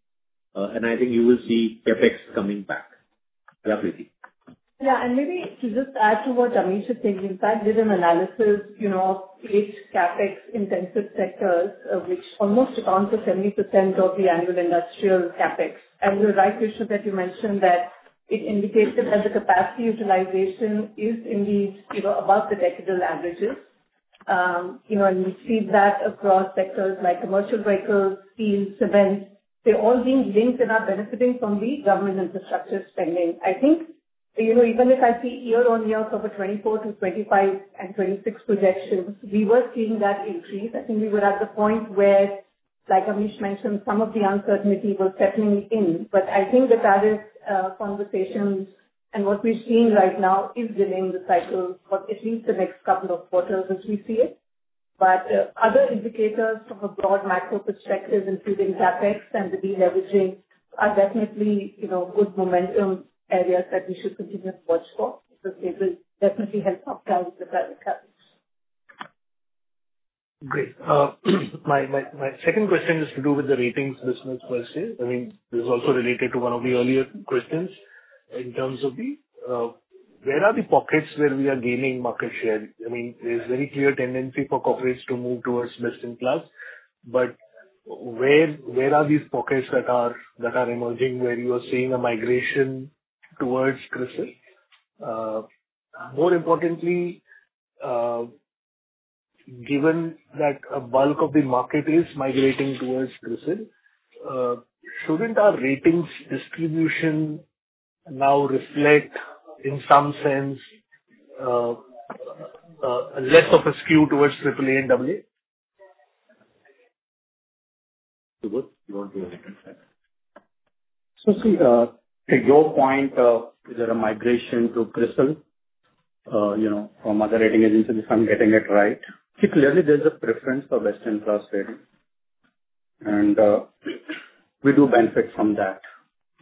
and I think you will see CapEx coming back. Yeah, Preeti. Yeah. And maybe to just add to what Amish is saying, in fact, did an analysis of state CapEx-intensive sectors, which almost accounts for 70% of the annual industrial CapEx. And you're right, Krishnan, that you mentioned that it indicates that the capacity utilization is indeed above the decadal averages. And we see that across sectors like commercial vehicles, steel, cement. They're all being linked and are benefiting from the government infrastructure spending. I think even if I see year-on-year for the 2024 to 2025 and 2026 projections, we were seeing that increase. I think we were at the point where, like Amish mentioned, some of the uncertainty was settling in. But I think the tariff conversations and what we're seeing right now is delaying the cycle for at least the next couple of quarters, as we see it. But other indicators from a broad macro perspective, including CapEx and the deleveraging, are definitely good momentum areas that we should continue to watch for because they will definitely help uptick the private CapEx. Great. My second question is to do with the ratings business per se. I mean, this is also related to one of the earlier questions in terms of the, where are the pockets where we are gaining market share? I mean, there's very clear tendency for corporates to move towards best-in-class. But where are these pockets that are emerging where you are seeing a migration towards CRISIL? More importantly, given that a bulk of the market is migrating towards CRISIL, shouldn't our ratings distribution now reflect in some sense less of a skew towards AAA and AA? Subodh, you want to address that? So see, to your point, is there a migration to CRISIL from other rating agencies, if I'm getting it right? Clearly, there's a preference for best-in-class ratings. And we do benefit from that.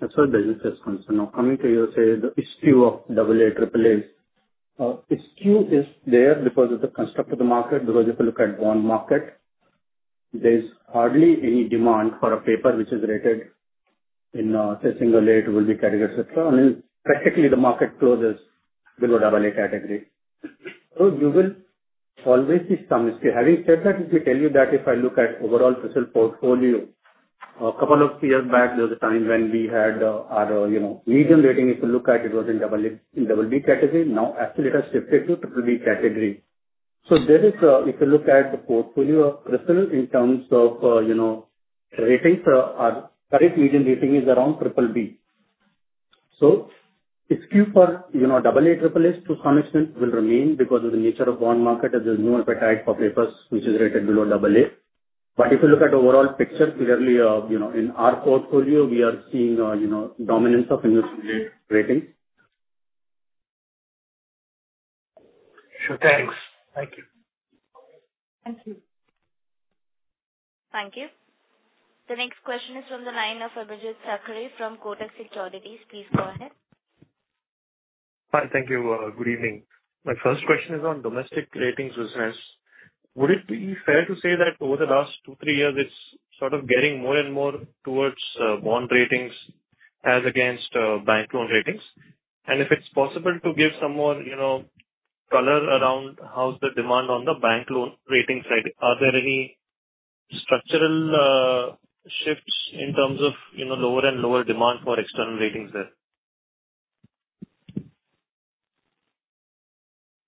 That's a business discussion. Now, coming to you, say, the issue of AAA, AAAs. Issue is there because of the construct of the market. Because if you look at bond market, there's hardly any demand for a paper which is rated in, say, single A, AA, BB category, etc. And then practically, the market closes below AAA category. So you will always see some issue. Having said that, let me tell you that if I look at overall CRISIL portfolio, a couple of years back, there was a time when we had our median rating. If you look at it, it was in AA category. Now, actually, it has shifted to AA category. So if you look at the portfolio of CRISIL in terms of ratings, our current median rating is around AA. So the skew for AAA, AAAs to some extent will remain because of the nature of bond market. There's no appetite for papers which are rated below AA. But if you look at the overall picture, clearly in our portfolio, we are seeing a dominance of industry-related ratings. Sure. Thanks. Thank you. Thank you. Thank you. The next question is from the line of Abhijeet Sakhare from Kotak Securities. Please go ahead. Hi. Thank you. Good evening. My first question is on domestic ratings business. Would it be fair to say that over the last two, three years, it's sort of getting more and more towards bond ratings as against bank loan ratings? And if it's possible to give some more color around how's the demand on the bank loan rating side, are there any structural shifts in terms of lower and lower demand for external ratings there?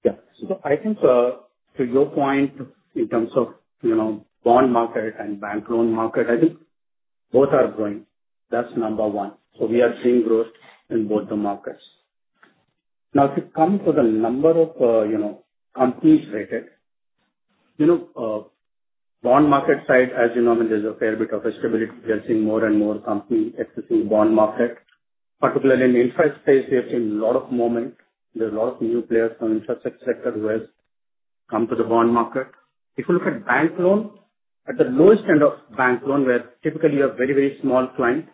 Yeah. So I think to your point, in terms of bond market and bank loan market, I think both are growing. That's number one. So we are seeing growth in both the markets. Now, if you come to the number of companies rated, bond market side, as you know, I mean, there's a fair bit of instability. We are seeing more and more companies accessing the bond market. Particularly in the infrastructure space, we have seen a lot of movement. There's a lot of new players from the infrastructure sector who have come to the bond market. If you look at bank loan, at the lowest end of bank loan, where typically you have very, very small clients,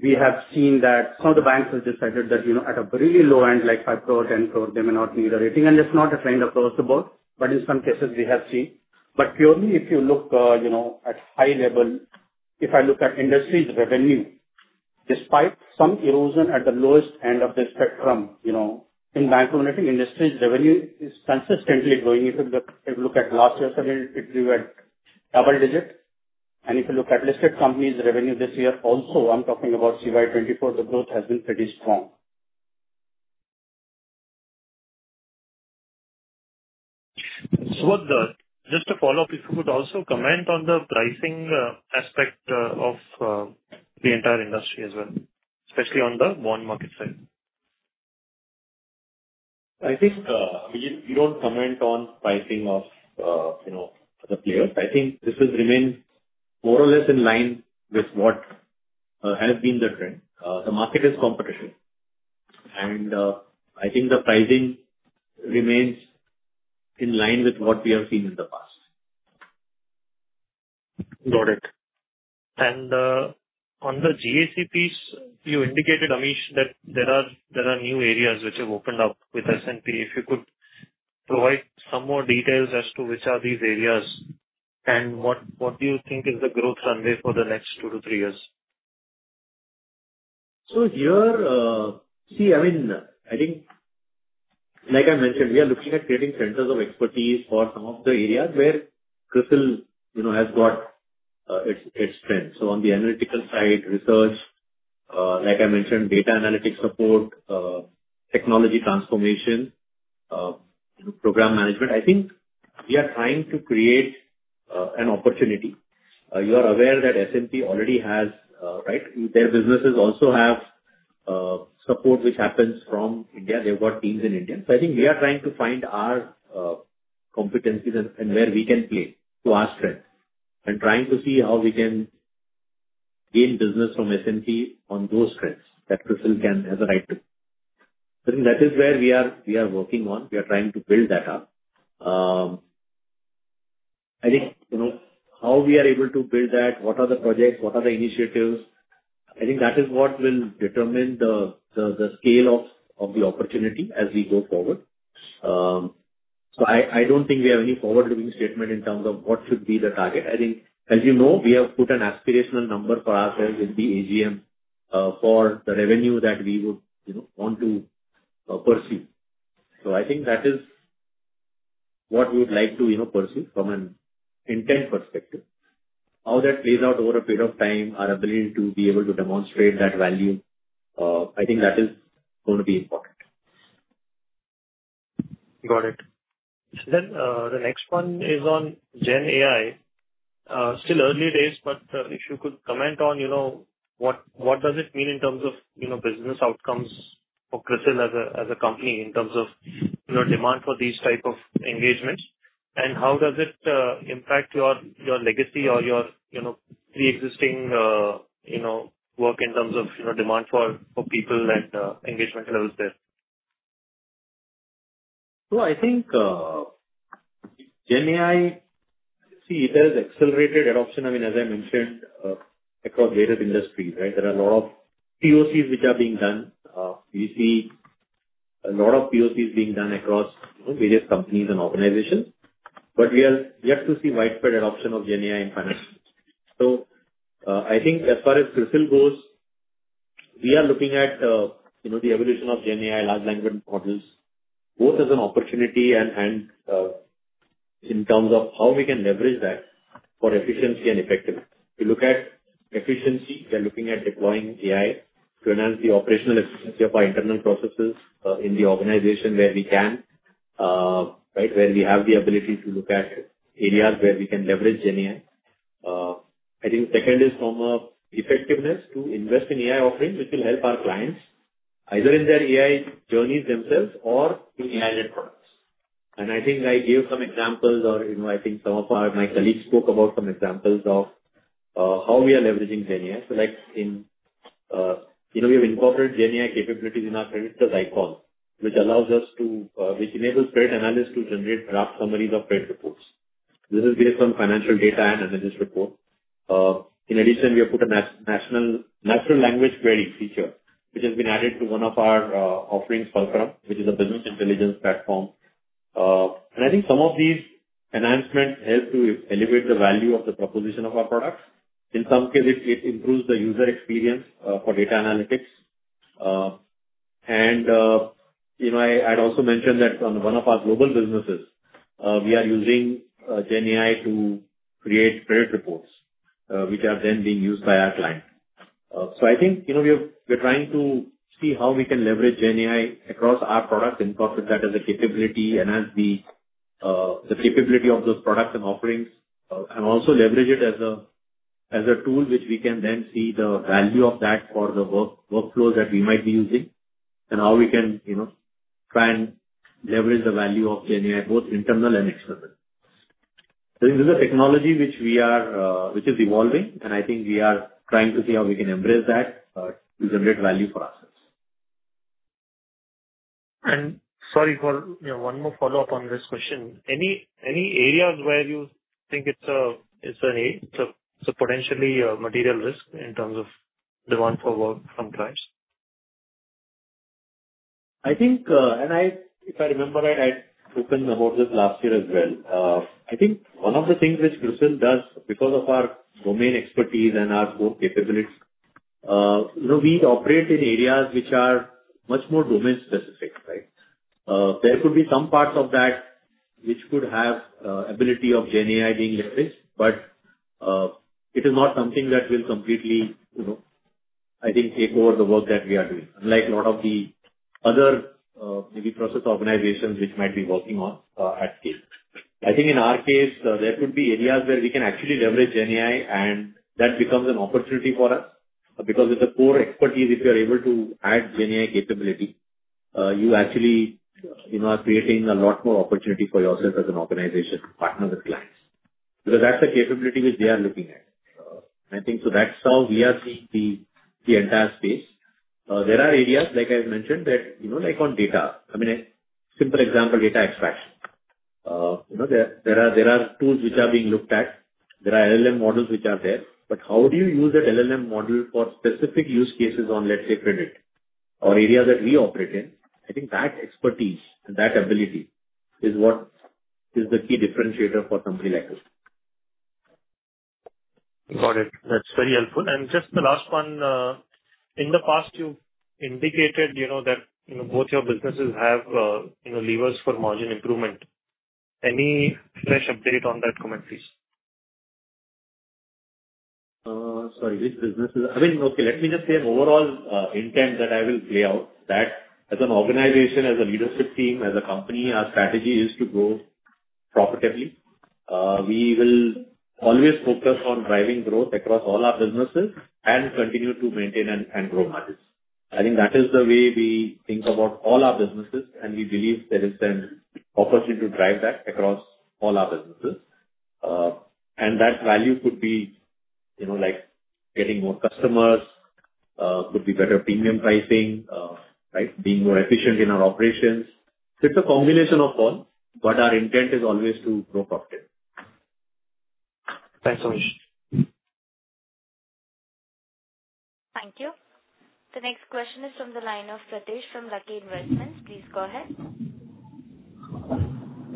we have seen that some of the banks have decided that at a really low end, like 5 crore, 10 crore, they may not need a rating. It's not a trend across the board. In some cases, we have seen. Purely if you look at high level, if I look at industry's revenue, despite some erosion at the lowest end of the spectrum, in bank loan rating industry, revenue is consistently growing. If you look at last year's revenue, it grew at double digit. If you look at listed companies' revenue this year, also, I'm talking about CY24, the growth has been pretty strong. Subodh, just a follow-up. If you could also comment on the pricing aspect of the entire industry as well, especially on the bond market side. I think, I mean, you don't comment on pricing of the players. I think this will remain more or less in line with what has been the trend. The market is competitive, and I think the pricing remains in line with what we have seen in the past. Got it. And on the GAC piece, you indicated, Amish, that there are new areas which have opened up with S&P. If you could provide some more details as to which are these areas and what do you think is the growth runway for the next two to three years? So here, see, I mean, I think, like I mentioned, we are looking at creating centers of expertise for some of the areas where CRISIL has got its strength. So on the analytical side, research, like I mentioned, data analytics support, technology transformation, program management. I think we are trying to create an opportunity. You are aware that S&P already has, right? Their businesses also have support which happens from India. They've got teams in India. So I think we are trying to find our competencies and where we can play to our strength and trying to see how we can gain business from S&P on those strengths that CRISIL has a right to. I think that is where we are working on. We are trying to build that up. I think how we are able to build that, what are the projects, what are the initiatives, I think that is what will determine the scale of the opportunity as we go forward. So I don't think we have any forward-looking statement in terms of what should be the target. I think, as you know, we have put an aspirational number for ourselves in the AGM for the revenue that we would want to pursue. So I think that is what we would like to pursue from an intent perspective. How that plays out over a period of time, our ability to be able to demonstrate that value, I think that is going to be important. Got it. Then the next one is on GenAI. Still early days, but if you could comment on what does it mean in terms of business outcomes for CRISIL as a company in terms of demand for these types of engagements, and how does it impact your legacy or your pre-existing work in terms of demand for people and engagement levels there? So I think GenAI, see, there is accelerated adoption. I mean, as I mentioned, across various industries, right? There are a lot of POCs which are being done. We see a lot of POCs being done across various companies and organizations. But we are yet to see widespread adoption of GenAI in finance. So I think as far as CRISIL goes, we are looking at the evolution of GenAI, large language models, both as an opportunity and in terms of how we can leverage that for efficiency and effectiveness. If you look at efficiency, we are looking at deploying AI to enhance the operational efficiency of our internal processes in the organization where we can, right? Where we have the ability to look at areas where we can leverage GenAI. I think the second is from effectiveness to invest in AI offerings, which will help our clients either in their AI journeys themselves or in AI-led products, and I think I gave some examples or I think some of my colleagues spoke about some examples of how we are leveraging GenAI. So we have incorporated GenAI capabilities in our Credit+ IQ, which enables credit analysts to generate draft summaries of credit reports. This is based on financial data and analyst reports. In addition, we have put a natural language query feature, which has been added to one of our offerings, Fulcrum, which is a business intelligence platform, and I think some of these enhancements help to elevate the value of the proposition of our products. In some cases, it improves the user experience for data analytics. I'd also mention that on one of our global businesses, we are using GenAI to create credit reports, which are then being used by our client. I think we are trying to see how we can leverage GenAI across our products and incorporate that as a capability, enhance the capability of those products and offerings, and also leverage it as a tool which we can then see the value of that for the workflows that we might be using and how we can try and leverage the value of GenAI, both internal and external. I think this is a technology which is evolving, and I think we are trying to see how we can embrace that to generate value for ourselves. Sorry for one more follow-up on this question. Any areas where you think it's a potentially material risk in terms of demand for work from clients? I think, and if I remember right, I spoke about this last year as well. I think one of the things which CRISIL does, because of our domain expertise and our core capabilities, we operate in areas which are much more domain-specific, right? There could be some parts of that which could have the ability of GenAI being leveraged, but it is not something that will completely, I think, take over the work that we are doing, unlike a lot of the other maybe process organizations which might be working on at scale. I think in our case, there could be areas where we can actually leverage GenAI, and that becomes an opportunity for us because it's a core expertise. If you're able to add GenAI capability, you actually are creating a lot more opportunity for yourself as an organization to partner with clients. Because that's the capability which they are looking at. I think, so that's how we are seeing the entire space. There are areas, like I mentioned, that, like, on data. I mean, a simple example, data extraction. There are tools which are being looked at. There are LLM models which are there. But how do you use that LLM model for specific use cases on, let's say, credit or areas that we operate in? I think that expertise and that ability is what is the key differentiator for a company like us. Got it. That's very helpful, and just the last one. In the past, you indicated that both your businesses have levers for margin improvement. Any fresh update on that comment, please? Sorry. Which businesses? I mean, okay, let me just say overall intent that I will lay out that as an organization, as a leadership team, as a company, our strategy is to grow profitably. We will always focus on driving growth across all our businesses and continue to maintain and grow margins. I think that is the way we think about all our businesses, and we believe there is an opportunity to drive that across all our businesses. And that value could be like getting more customers, could be better premium pricing, right? Being more efficient in our operations. So it's a combination of all, but our intent is always to grow profitably. Thanks, Amish. Thank you. The next question is from the line of Prateek from Lucky Investments. Please go ahead.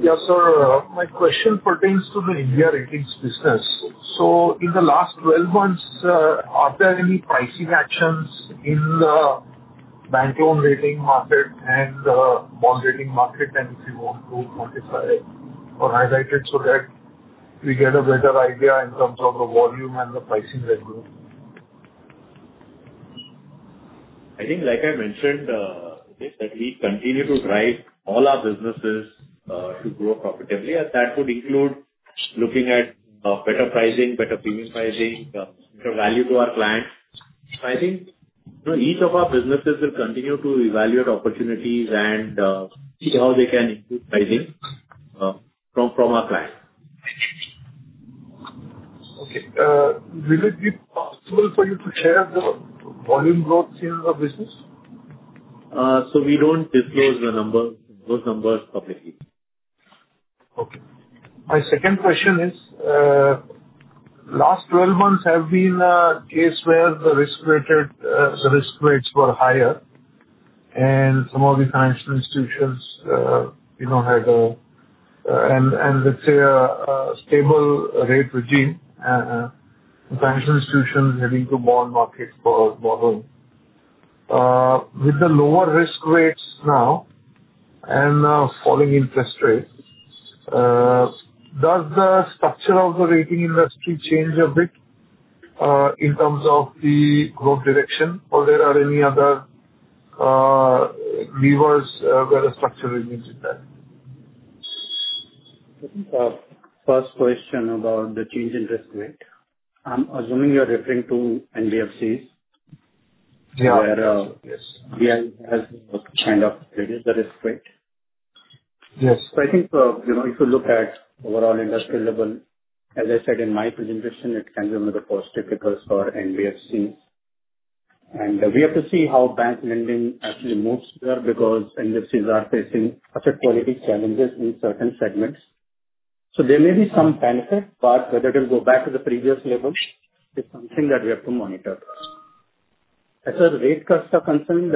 Yes, sir. My question pertains to the India ratings business. So in the last 12 months, are there any pricing actions in the bank loan rating market and bond rating market? And if you want to quantify it or highlight it so that we get a better idea in terms of the volume and the pricing that go? I think, like I mentioned, that we continue to drive all our businesses to grow profitably, and that would include looking at better pricing, better premium pricing, better value to our clients, so I think each of our businesses will continue to evaluate opportunities and see how they can improve pricing from our clients. Okay. Will it be possible for you to share the volume growth in your business? We don't disclose those numbers publicly. Okay. My second question is, the last 12 months have been a case where the risk-free rates were higher, and some of the financial institutions had a, and let's say, a stable rate regime, financial institutions heading to bond markets for borrowing. With the lower risk-free rates now and falling interest rates, does the structure of the rating industry change a bit in terms of the growth direction, or there are any other levers where the structure is needed? First question about the change in risk rate. I'm assuming you're referring to NBFCs where RBI has kind of raised the risk rate? Yes. So I think if you look at overall industrial level, as I said in my presentation, it can be on the positive because for NBFCs. And we have to see how bank lending actually moves there because NBFCs are facing asset quality challenges in certain segments. So there may be some benefit, but whether it will go back to the previous level is something that we have to monitor. As far as rate cuts are concerned,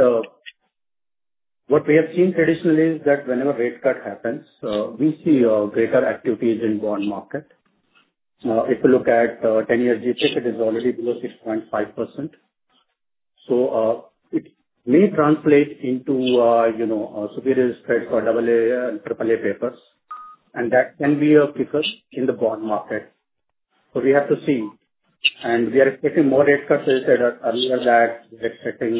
what we have seen traditionally is that whenever rate cut happens, we see greater activities in the bond market. If you look at 10-year G-Sec, it is already below 6.5%. So it may translate into a superior spread for AA and AAA papers. And that can be a kicker in the bond market. So we have to see. And we are expecting more rate cuts. As I said earlier, that we're expecting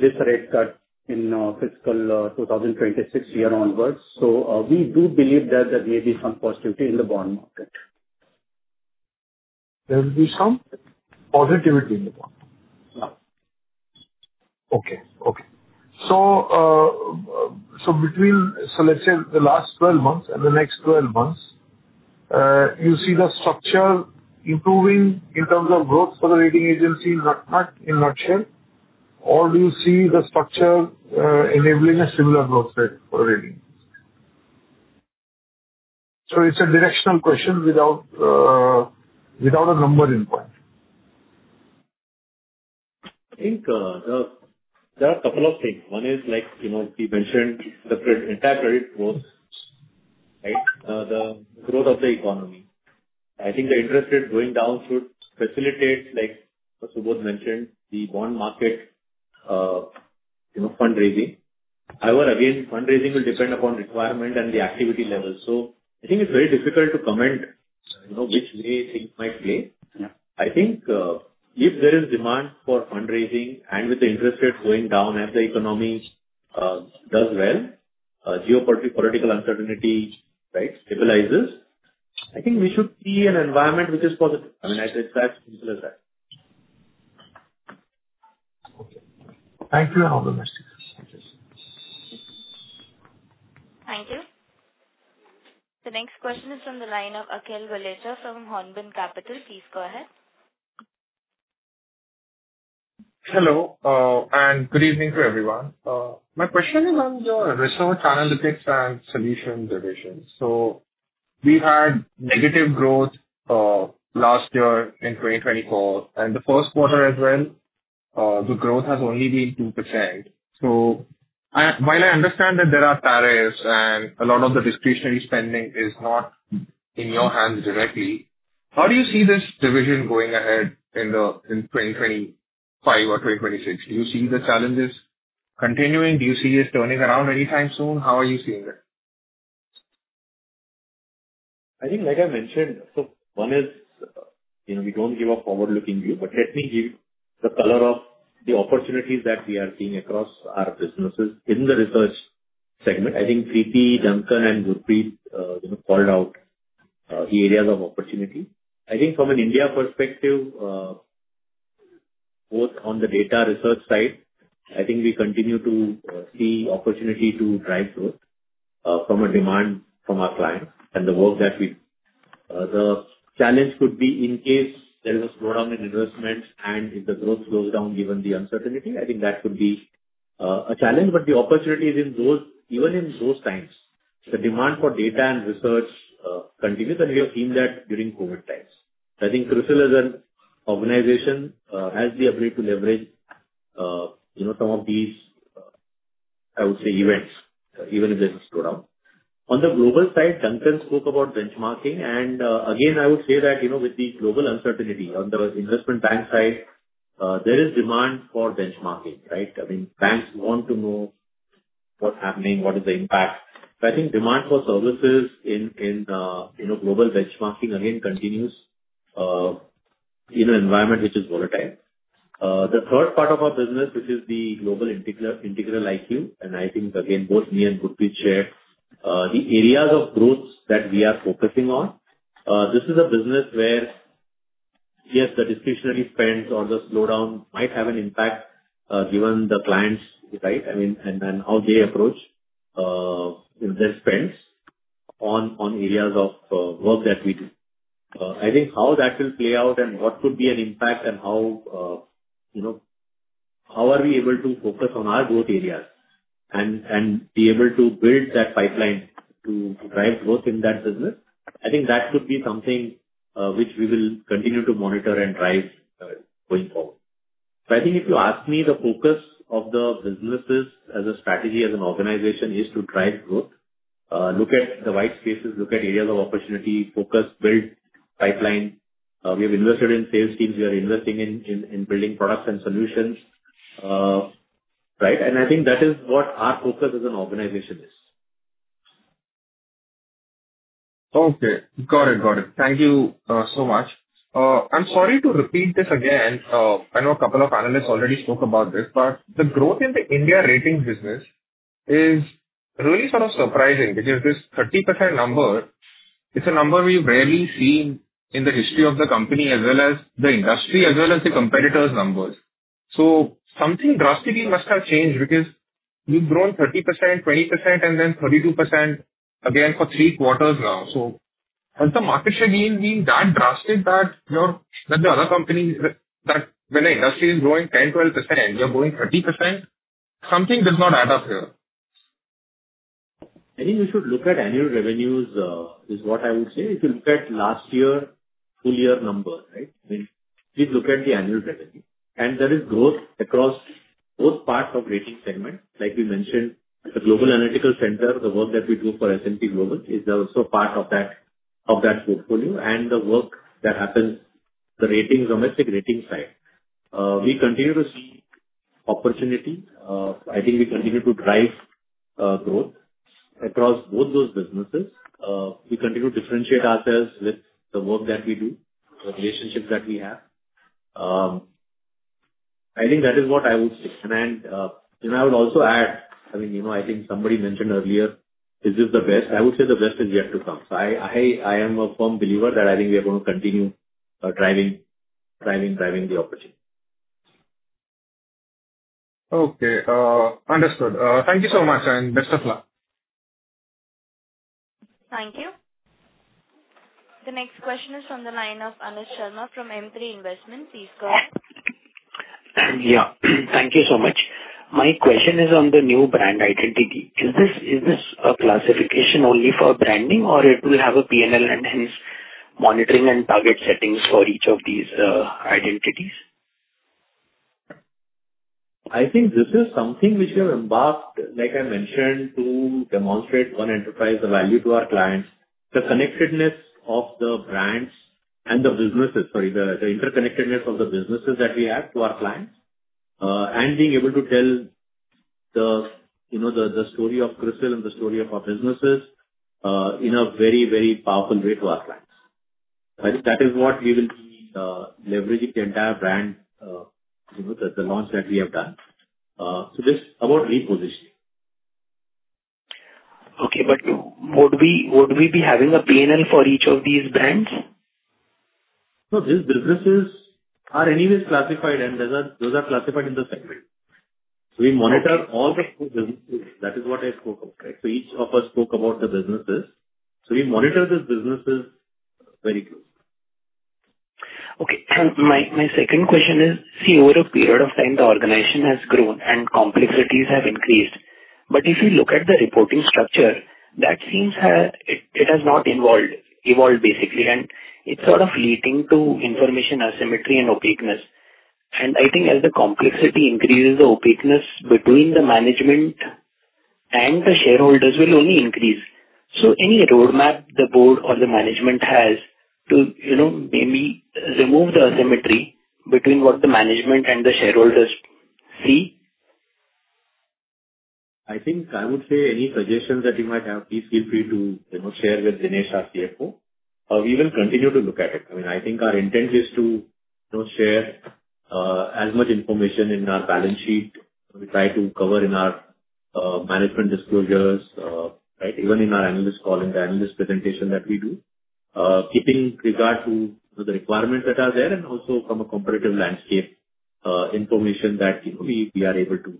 this rate cut in fiscal 2026 year onwards, so we do believe that there may be some positivity in the bond market. There will be some positivity in the bond market? No. Okay. So let's say the last 12 months and the next 12 months, you see the structure improving in terms of growth for the rating agencies in a nutshell, or do you see the structure enabling a similar growth rate for the rating agencies? So it's a directional question without a number in point. I think there are a couple of things. One is, like you mentioned, the entire credit growth, right? The growth of the economy. I think the interest rate going down should facilitate, like Subodh mentioned, the bond market fundraising. However, again, fundraising will depend upon requirement and the activity level. So I think it's very difficult to comment which way things might play. I think if there is demand for fundraising and with the interest rates going down as the economy does well, geopolitical uncertainty, right, stabilizes, I think we should see an environment which is positive. I mean, it's as simple as that. Okay. Thank you, Amish. Thank you. The next question is from the line of Akhil Gulecha from Hornbill Capital. Please go ahead. Hello, and good evening to everyone. My question is on your research analytics and solution division. So we had negative growth last year in 2024, and the first quarter as well, the growth has only been 2%. So while I understand that there are tariffs and a lot of the discretionary spending is not in your hands directly, how do you see this division going ahead in 2025 or 2026? Do you see the challenges continuing? Do you see it turning around anytime soon? How are you seeing it? I think, like I mentioned, so one is we don't give a forward-looking view, but let me give the color of the opportunities that we are seeing across our businesses in the research segment. I think Preeti, Duncan, and Gurpreet called out the areas of opportunity. I think from an India perspective, both on the data research side, I think we continue to see opportunity to drive growth from a demand from our clients and the work that we. The challenge could be in case there is a slowdown in investments and if the growth slows down given the uncertainty. I think that could be a challenge. But the opportunity is in those, even in those times, the demand for data and research continues, and we have seen that during COVID times. I think CRISIL as an organization has the ability to leverage some of these, I would say, events, even if there's a slowdown. On the global side, Duncan spoke about benchmarking. And again, I would say that with the global uncertainty on the investment bank side, there is demand for benchmarking, right? I mean, banks want to know what's happening, what is the impact. So I think demand for services in global benchmarking, again, continues in an environment which is volatile. The third part of our business, which is the Global Integral IQ, and I think, again, both me and Gurpreet shared the areas of growth that we are focusing on. This is a business where, yes, the discretionary spends or the slowdown might have an impact given the clients, right? I mean, and how they approach their spends on areas of work that we do. I think how that will play out and what could be an impact and how are we able to focus on our growth areas and be able to build that pipeline to drive growth in that business. I think that could be something which we will continue to monitor and drive going forward. So I think if you ask me, the focus of the businesses as a strategy, as an organization, is to drive growth, look at the white spaces, look at areas of opportunity, focus, build pipeline. We have invested in sales teams. We are investing in building products and solutions, right? And I think that is what our focus as an organization is. Okay. Got it. Got it. Thank you so much. I'm sorry to repeat this again. I know a couple of analysts already spoke about this, but the growth in the India rating business is really sort of surprising because this 30% number, it's a number we've rarely seen in the history of the company as well as the industry, as well as the competitors' numbers. So something drastically must have changed because we've grown 30%, 20%, and then 32% again for three quarters now. So has the market share been that drastic that the other companies, that when the industry is growing 10, 12%, you're going 30%? Something does not add up here. I think we should look at annual revenues is what I would say. If you look at last year, full year numbers, right? I mean, please look at the annual revenue. And there is growth across both parts of rating segments. Like we mentioned, the Global Analytical Center, the work that we do for S&P Global is also part of that portfolio. And the work that happens, the ratings, domestic rating side, we continue to see opportunity. I think we continue to drive growth across both those businesses. We continue to differentiate ourselves with the work that we do, the relationships that we have. I think that is what I would say. And I would also add, I mean, I think somebody mentioned earlier, is this the best? I would say the best is yet to come. I am a firm believer that I think we are going to continue driving the opportunity. Okay. Understood. Thank you so much, and best of luck. Thank you. The next question is from the line of Anuj Sharma from M3 Investment. Please go ahead. Yeah. Thank you so much. My question is on the new brand identity. Is this a classification only for branding, or it will have a P&L and hence monitoring and target settings for each of these identities? I think this is something which we have embarked, like I mentioned, to demonstrate one enterprise, the value to our clients, the connectedness of the brands and the businesses, sorry, the interconnectedness of the businesses that we have to our clients, and being able to tell the story of CRISIL and the story of our businesses in a very, very powerful way to our clients. That is what we will be leveraging, the entire brand, the launch that we have done, so this is about repositioning. Okay, but would we be having a P&L for each of these brands? No, these businesses are anyways classified, and those are classified in the segment. So we monitor all the businesses. That is what I spoke of, right? So each of us spoke about the businesses. So we monitor these businesses very closely. Okay, and my second question is, see, over a period of time, the organization has grown and complexities have increased. But if you look at the reporting structure, that seems it has not evolved, basically. And it's sort of leading to information asymmetry and opaqueness. And I think as the complexity increases, the opaqueness between the management and the shareholders will only increase. So any roadmap the board or the management has to maybe remove the asymmetry between what the management and the shareholders see? I think I would say any suggestions that you might have, please feel free to share with Dinesh or CFO. We will continue to look at it. I mean, I think our intent is to share as much information in our balance sheet. We try to cover in our management disclosures, right? Even in our analyst call and the analyst presentation that we do, keeping regard to the requirements that are there and also from a competitive landscape information that we are able to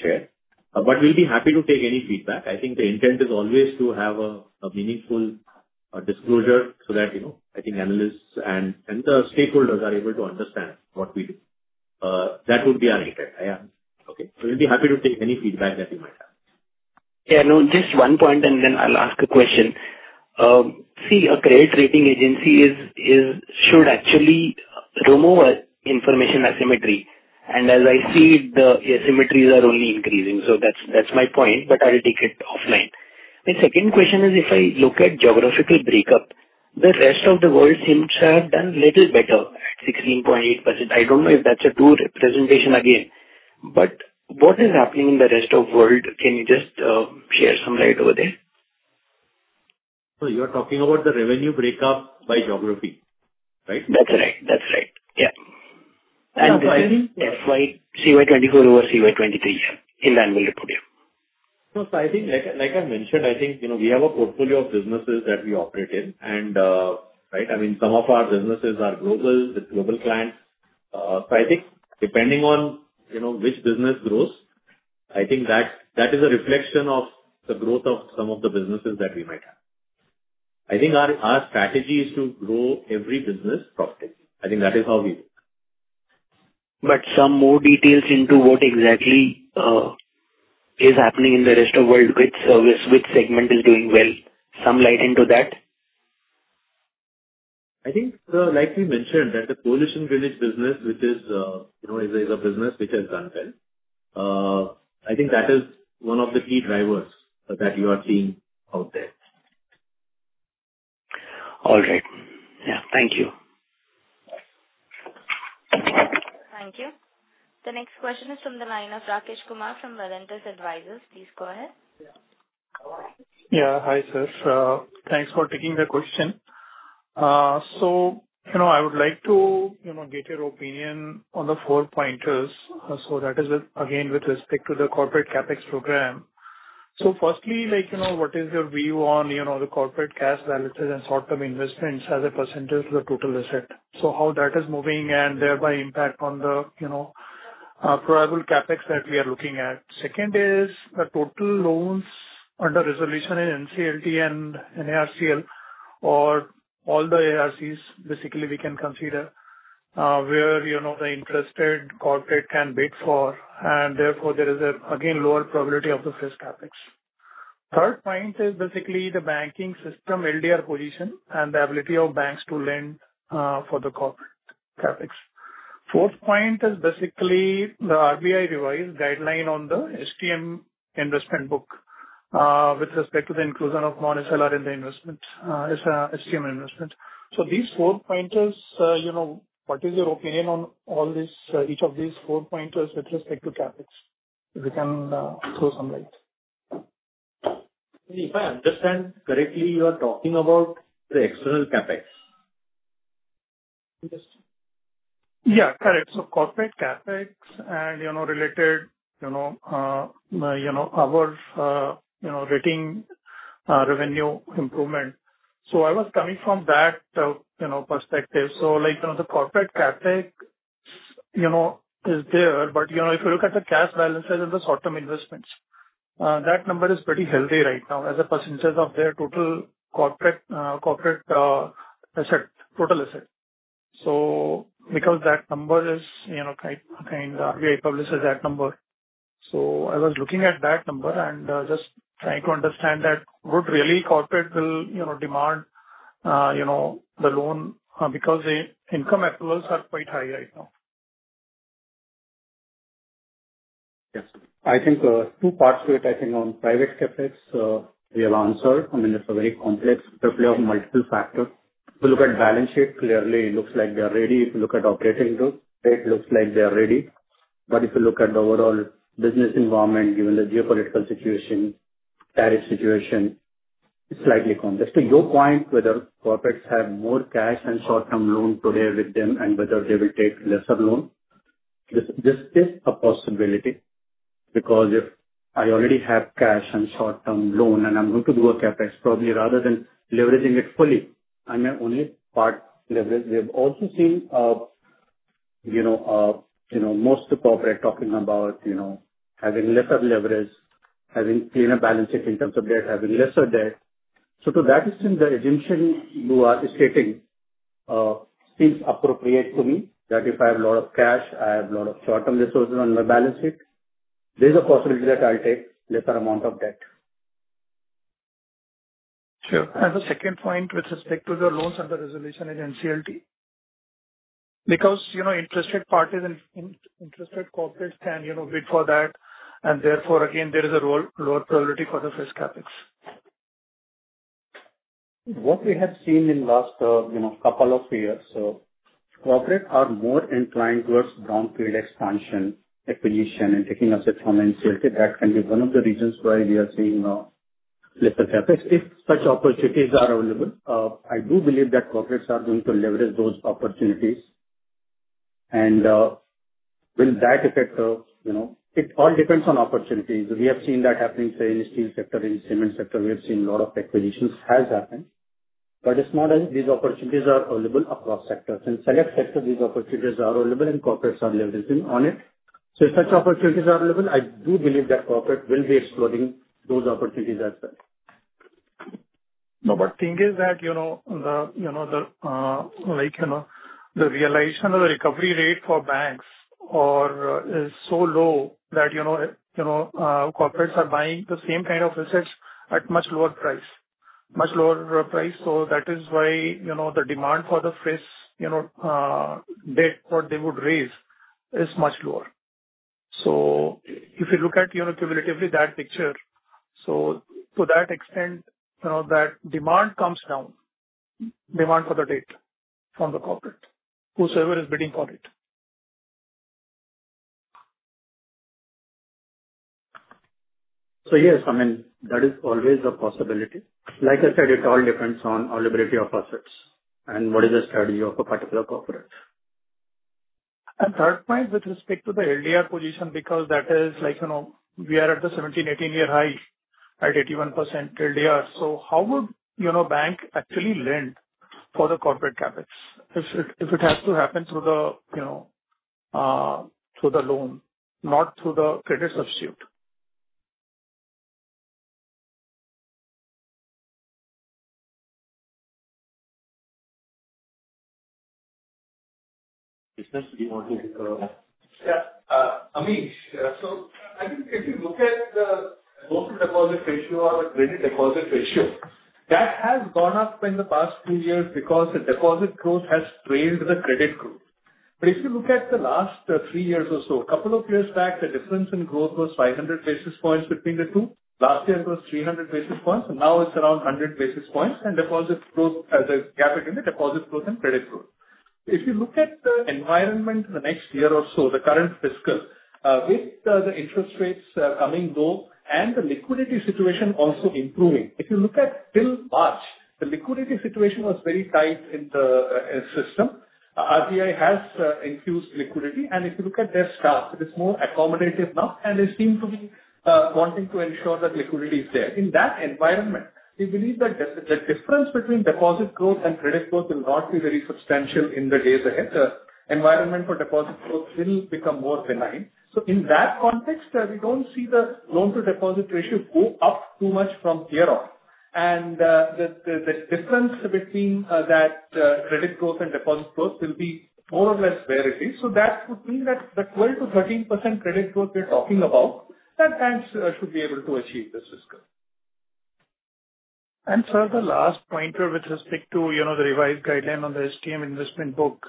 share. But we'll be happy to take any feedback. I think the intent is always to have a meaningful disclosure so that I think analysts and the stakeholders are able to understand what we do. That would be our intent. Okay. So we'll be happy to take any feedback that you might have. Yeah. No, just one point, and then I'll ask a question. See, a great rating agency should actually remove information asymmetry. And as I see, the asymmetries are only increasing. So that's my point, but I'll take it offline. My second question is, if I look at geographical breakup, the rest of the world seems to have done a little better at 16.8%. I don't know if that's a true representation again. But what is happening in the rest of the world? Can you just share some light over there? So you're talking about the revenue breakup by geography, right? That's right. Yeah. And. I think. CY24 over CY23, yeah, in the annual report, yeah. No, so I think, like I mentioned, I think we have a portfolio of businesses that we operate in, and right? I mean, some of our businesses are global with global clients. So I think depending on which business grows, I think that is a reflection of the growth of some of the businesses that we might have. I think our strategy is to grow every business profitably. I think that is how we work. Some more details into what exactly is happening in the rest of the world, which segment is doing well, some light into that? I think, like we mentioned, that the Coalition Greenwich business, which is a business which has done well, I think that is one of the key drivers that you are seeing out there. All right. Yeah. Thank you. Thank you. The next question is from the line of Rakesh Kumar from Valentis Advisors. Please go ahead. Yeah. Hi, sir. Thanks for taking the question. So I would like to get your opinion on the four pointers. So that is, again, with respect to the corporate CapEx program. So firstly, what is your view on the corporate cash balances and short-term investments as a percentage of the total asset? So how that is moving and thereby impact on the probable CapEx that we are looking at. Second is the total loans under resolution in NCLT and NARCL or all the ARCs. Basically, we can consider where the interested corporate can bid for, and therefore there is, again, lower probability of the fiscal CapEx. Third point is basically the banking system LDR position and the ability of banks to lend for the corporate CapEx. Fourth point is basically the RBI revised guideline on the HTM investment book with respect to the inclusion of non-SLR in the investment, HTM investment. So these four pointers, what is your opinion on each of these four pointers with respect to CapEx? If you can throw some light. If I understand correctly, you are talking about the external CapEx. Yeah. Correct. So corporate CapEx and related, our rating revenue improvement. So I was coming from that perspective. So the corporate CapEx is there, but if you look at the cash balances and the short-term investments, that number is pretty healthy right now as a percentage of their total corporate asset, total asset. So because that number is kind of. We publish that number. So I was looking at that number and just trying to understand that would really corporate will demand the loan because the cash equivalents are quite high right now. Yes. I think two parts to it. I think on private CapEx, we have answered. I mean, it's a very complex triplet of multiple factors. If you look at balance sheet, clearly it looks like they are ready. If you look at operating growth, it looks like they are ready. But if you look at the overall business environment, given the geopolitical situation, tariff situation, it's slightly complex. To your point, whether corporates have more cash and short-term loan today with them and whether they will take lesser loan, this is a possibility because if I already have cash and short-term loan and I'm going to do a CapEx, probably rather than leveraging it fully, I may only part leverage. We have also seen most of the corporates talking about having lesser leverage, having cleaner balance sheet in terms of debt, having lesser debt. To that extent, the angle you are stating seems appropriate to me that if I have a lot of cash, I have a lot of short-term resources on my balance sheet, there is a possibility that I'll take lesser amount of debt. Sure. And the second point with respect to the loans under resolution in NCLT, because interested parties and interested corporates can bid for that, and therefore, again, there is a lower probability for the fiscal CapEx. What we have seen in the last couple of years, so corporate are more inclined towards brownfield expansion, acquisition, and taking assets from NCLT. That can be one of the reasons why we are seeing lesser CapEx. If such opportunities are available, I do believe that corporates are going to leverage those opportunities. And will that affect? It all depends on opportunities. We have seen that happening in the steel sector, in the cement sector. We have seen a lot of acquisitions have happened. But it's not as if these opportunities are available across sectors. In select sectors, these opportunities are available, and corporates are leveraging on it. So if such opportunities are available, I do believe that corporate will be exploring those opportunities as well. No, but the thing is that the realization of the recovery rate for banks is so low that corporates are buying the same kind of assets at much lower price, much lower price. So that is why the demand for the fiscal debt, what they would raise, is much lower. So if you look at cumulatively that picture, so to that extent, that demand comes down, demand for the debt from the corporate, whosoever is bidding for it. So yes, I mean, that is always a possibility. Like I said, it all depends on availability of assets and what is the strategy of a particular corporate. And third point with respect to the LDR position, because that is we are at the 17-18-year high at 81% LDR. So how would a bank actually lend for the corporate CapEx if it has to happen through the loan, not through the credit substitute? Yes. Anish, so I think if you look at the total deposit ratio or the credit deposit ratio, that has gone up in the past few years because the deposit growth has trailed the credit growth. But if you look at the last three years or so, a couple of years back, the difference in growth was 500 basis points between the two. Last year, it was 300 basis points, and now it's around 100 basis points and the gap between the deposit growth and credit growth. If you look at the environment the next year or so, the current fiscal, with the interest rates coming low and the liquidity situation also improving, if you look at till March, the liquidity situation was very tight in the system. RBI has increased liquidity. If you look at their stocks, it is more accommodative now, and they seem to be wanting to ensure that liquidity is there. In that environment, we believe that the difference between deposit growth and credit growth will not be very substantial in the days ahead. The environment for deposit growth will become more benign. In that context, we don't see the loan-to-deposit ratio go up too much from here on. The difference between that credit growth and deposit growth will be more or less where it is. That would mean that the 12%-13% credit growth we're talking about, that banks should be able to achieve this fiscal. For the last pointer with respect to the revised guideline on the HTM investment book,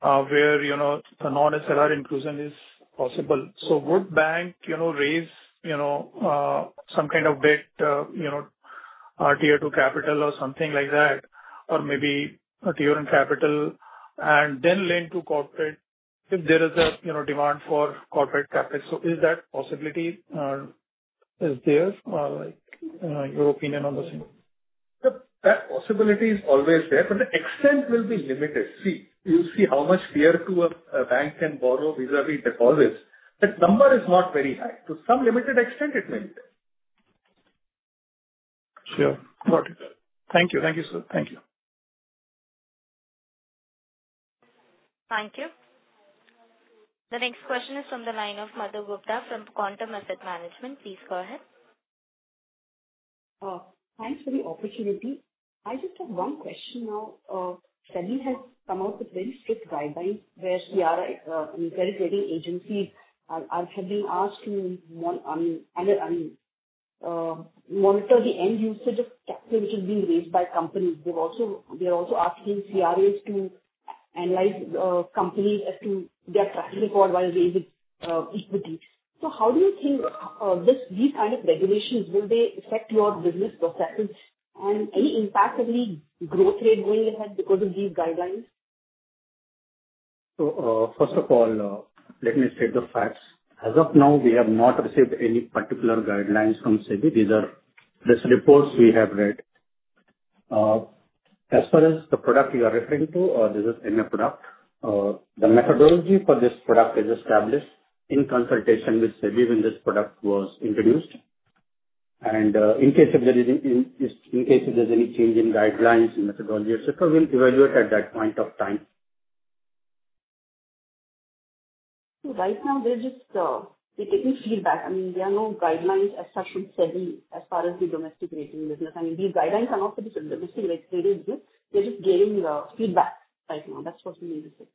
where the non-SLR inclusion is possible, so would a bank raise some kind of debt, tier two capital or something like that, or maybe tier one capital and then lend to corporate if there is a demand for corporate CapEx? So is that possibility there? Your opinion on the same. That possibility is always there, but the extent will be limited. See, you see how much tier two a bank can borrow vis-à-vis deposits. That number is not very high. To some limited extent, it may be. Sure. Got it. Thank you. Thank you, sir. Thank you. Thank you. The next question is from the line of Madhukar Ladha from Quantum Asset Management. Please go ahead. Thanks for the opportunity. I just have one question now. SEBI has come out with very strict guidelines where CRAs, I mean, credit rating agencies are being asked to monitor the end usage of capital which is being raised by companies. They're also asking CRAs to analyze companies as to their track record while raising equity. So how do you think these kind of regulations will they affect your business processes and any impact on the growth rate going ahead because of these guidelines? So first of all, let me state the facts. As of now, we have not received any particular guidelines from SEBI. These reports we have read. As far as the product you are referring to, this is a product. The methodology for this product is established in consultation with SEBI when this product was introduced. And in case if there is any change in guidelines, methodology, etc., we'll evaluate at that point of time. So right now, we're just taking feedback. I mean, there are no guidelines as such from SEBI as far as the domestic rating business. I mean, these guidelines are not for the domestic rating business. We're just getting feedback right now. That's what we need to say.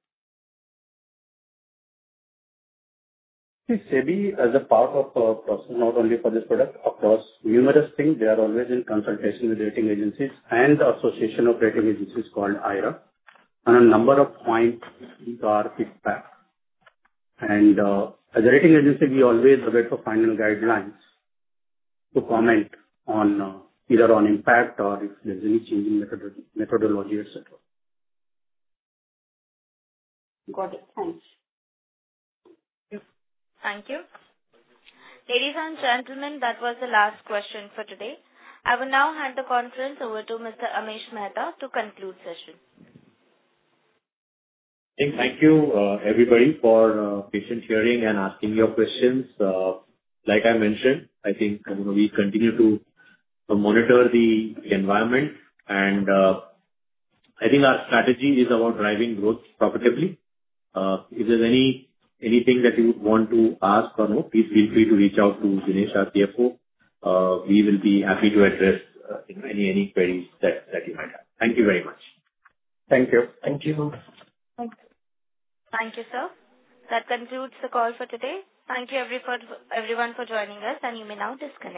See, SEBI, as a part of not only for this product, across numerous things, they are always in consultation with rating agencies and the association of rating agencies called AIRA. On a number of points, these are feedback. As a rating agency, we always await the final guidelines to comment either on impact or if there's any change in methodology, etc. Got it. Thanks. Thank you. Ladies and gentlemen, that was the last question for today. I will now hand the conference over to Mr. Amish Mehta to conclude the session. Thank you, everybody, for patiently hearing and asking your questions. Like I mentioned, I think we continue to monitor the environment. And I think our strategy is about driving growth profitably. If there's anything that you would want to ask or know, please feel free to reach out to Dinesh, our CFO. We will be happy to address any queries that you might have. Thank you very much. Thank you. Thank you. Thank you. Thank you, sir. That concludes the call for today. Thank you, everyone, for joining us, and you may now disconnect.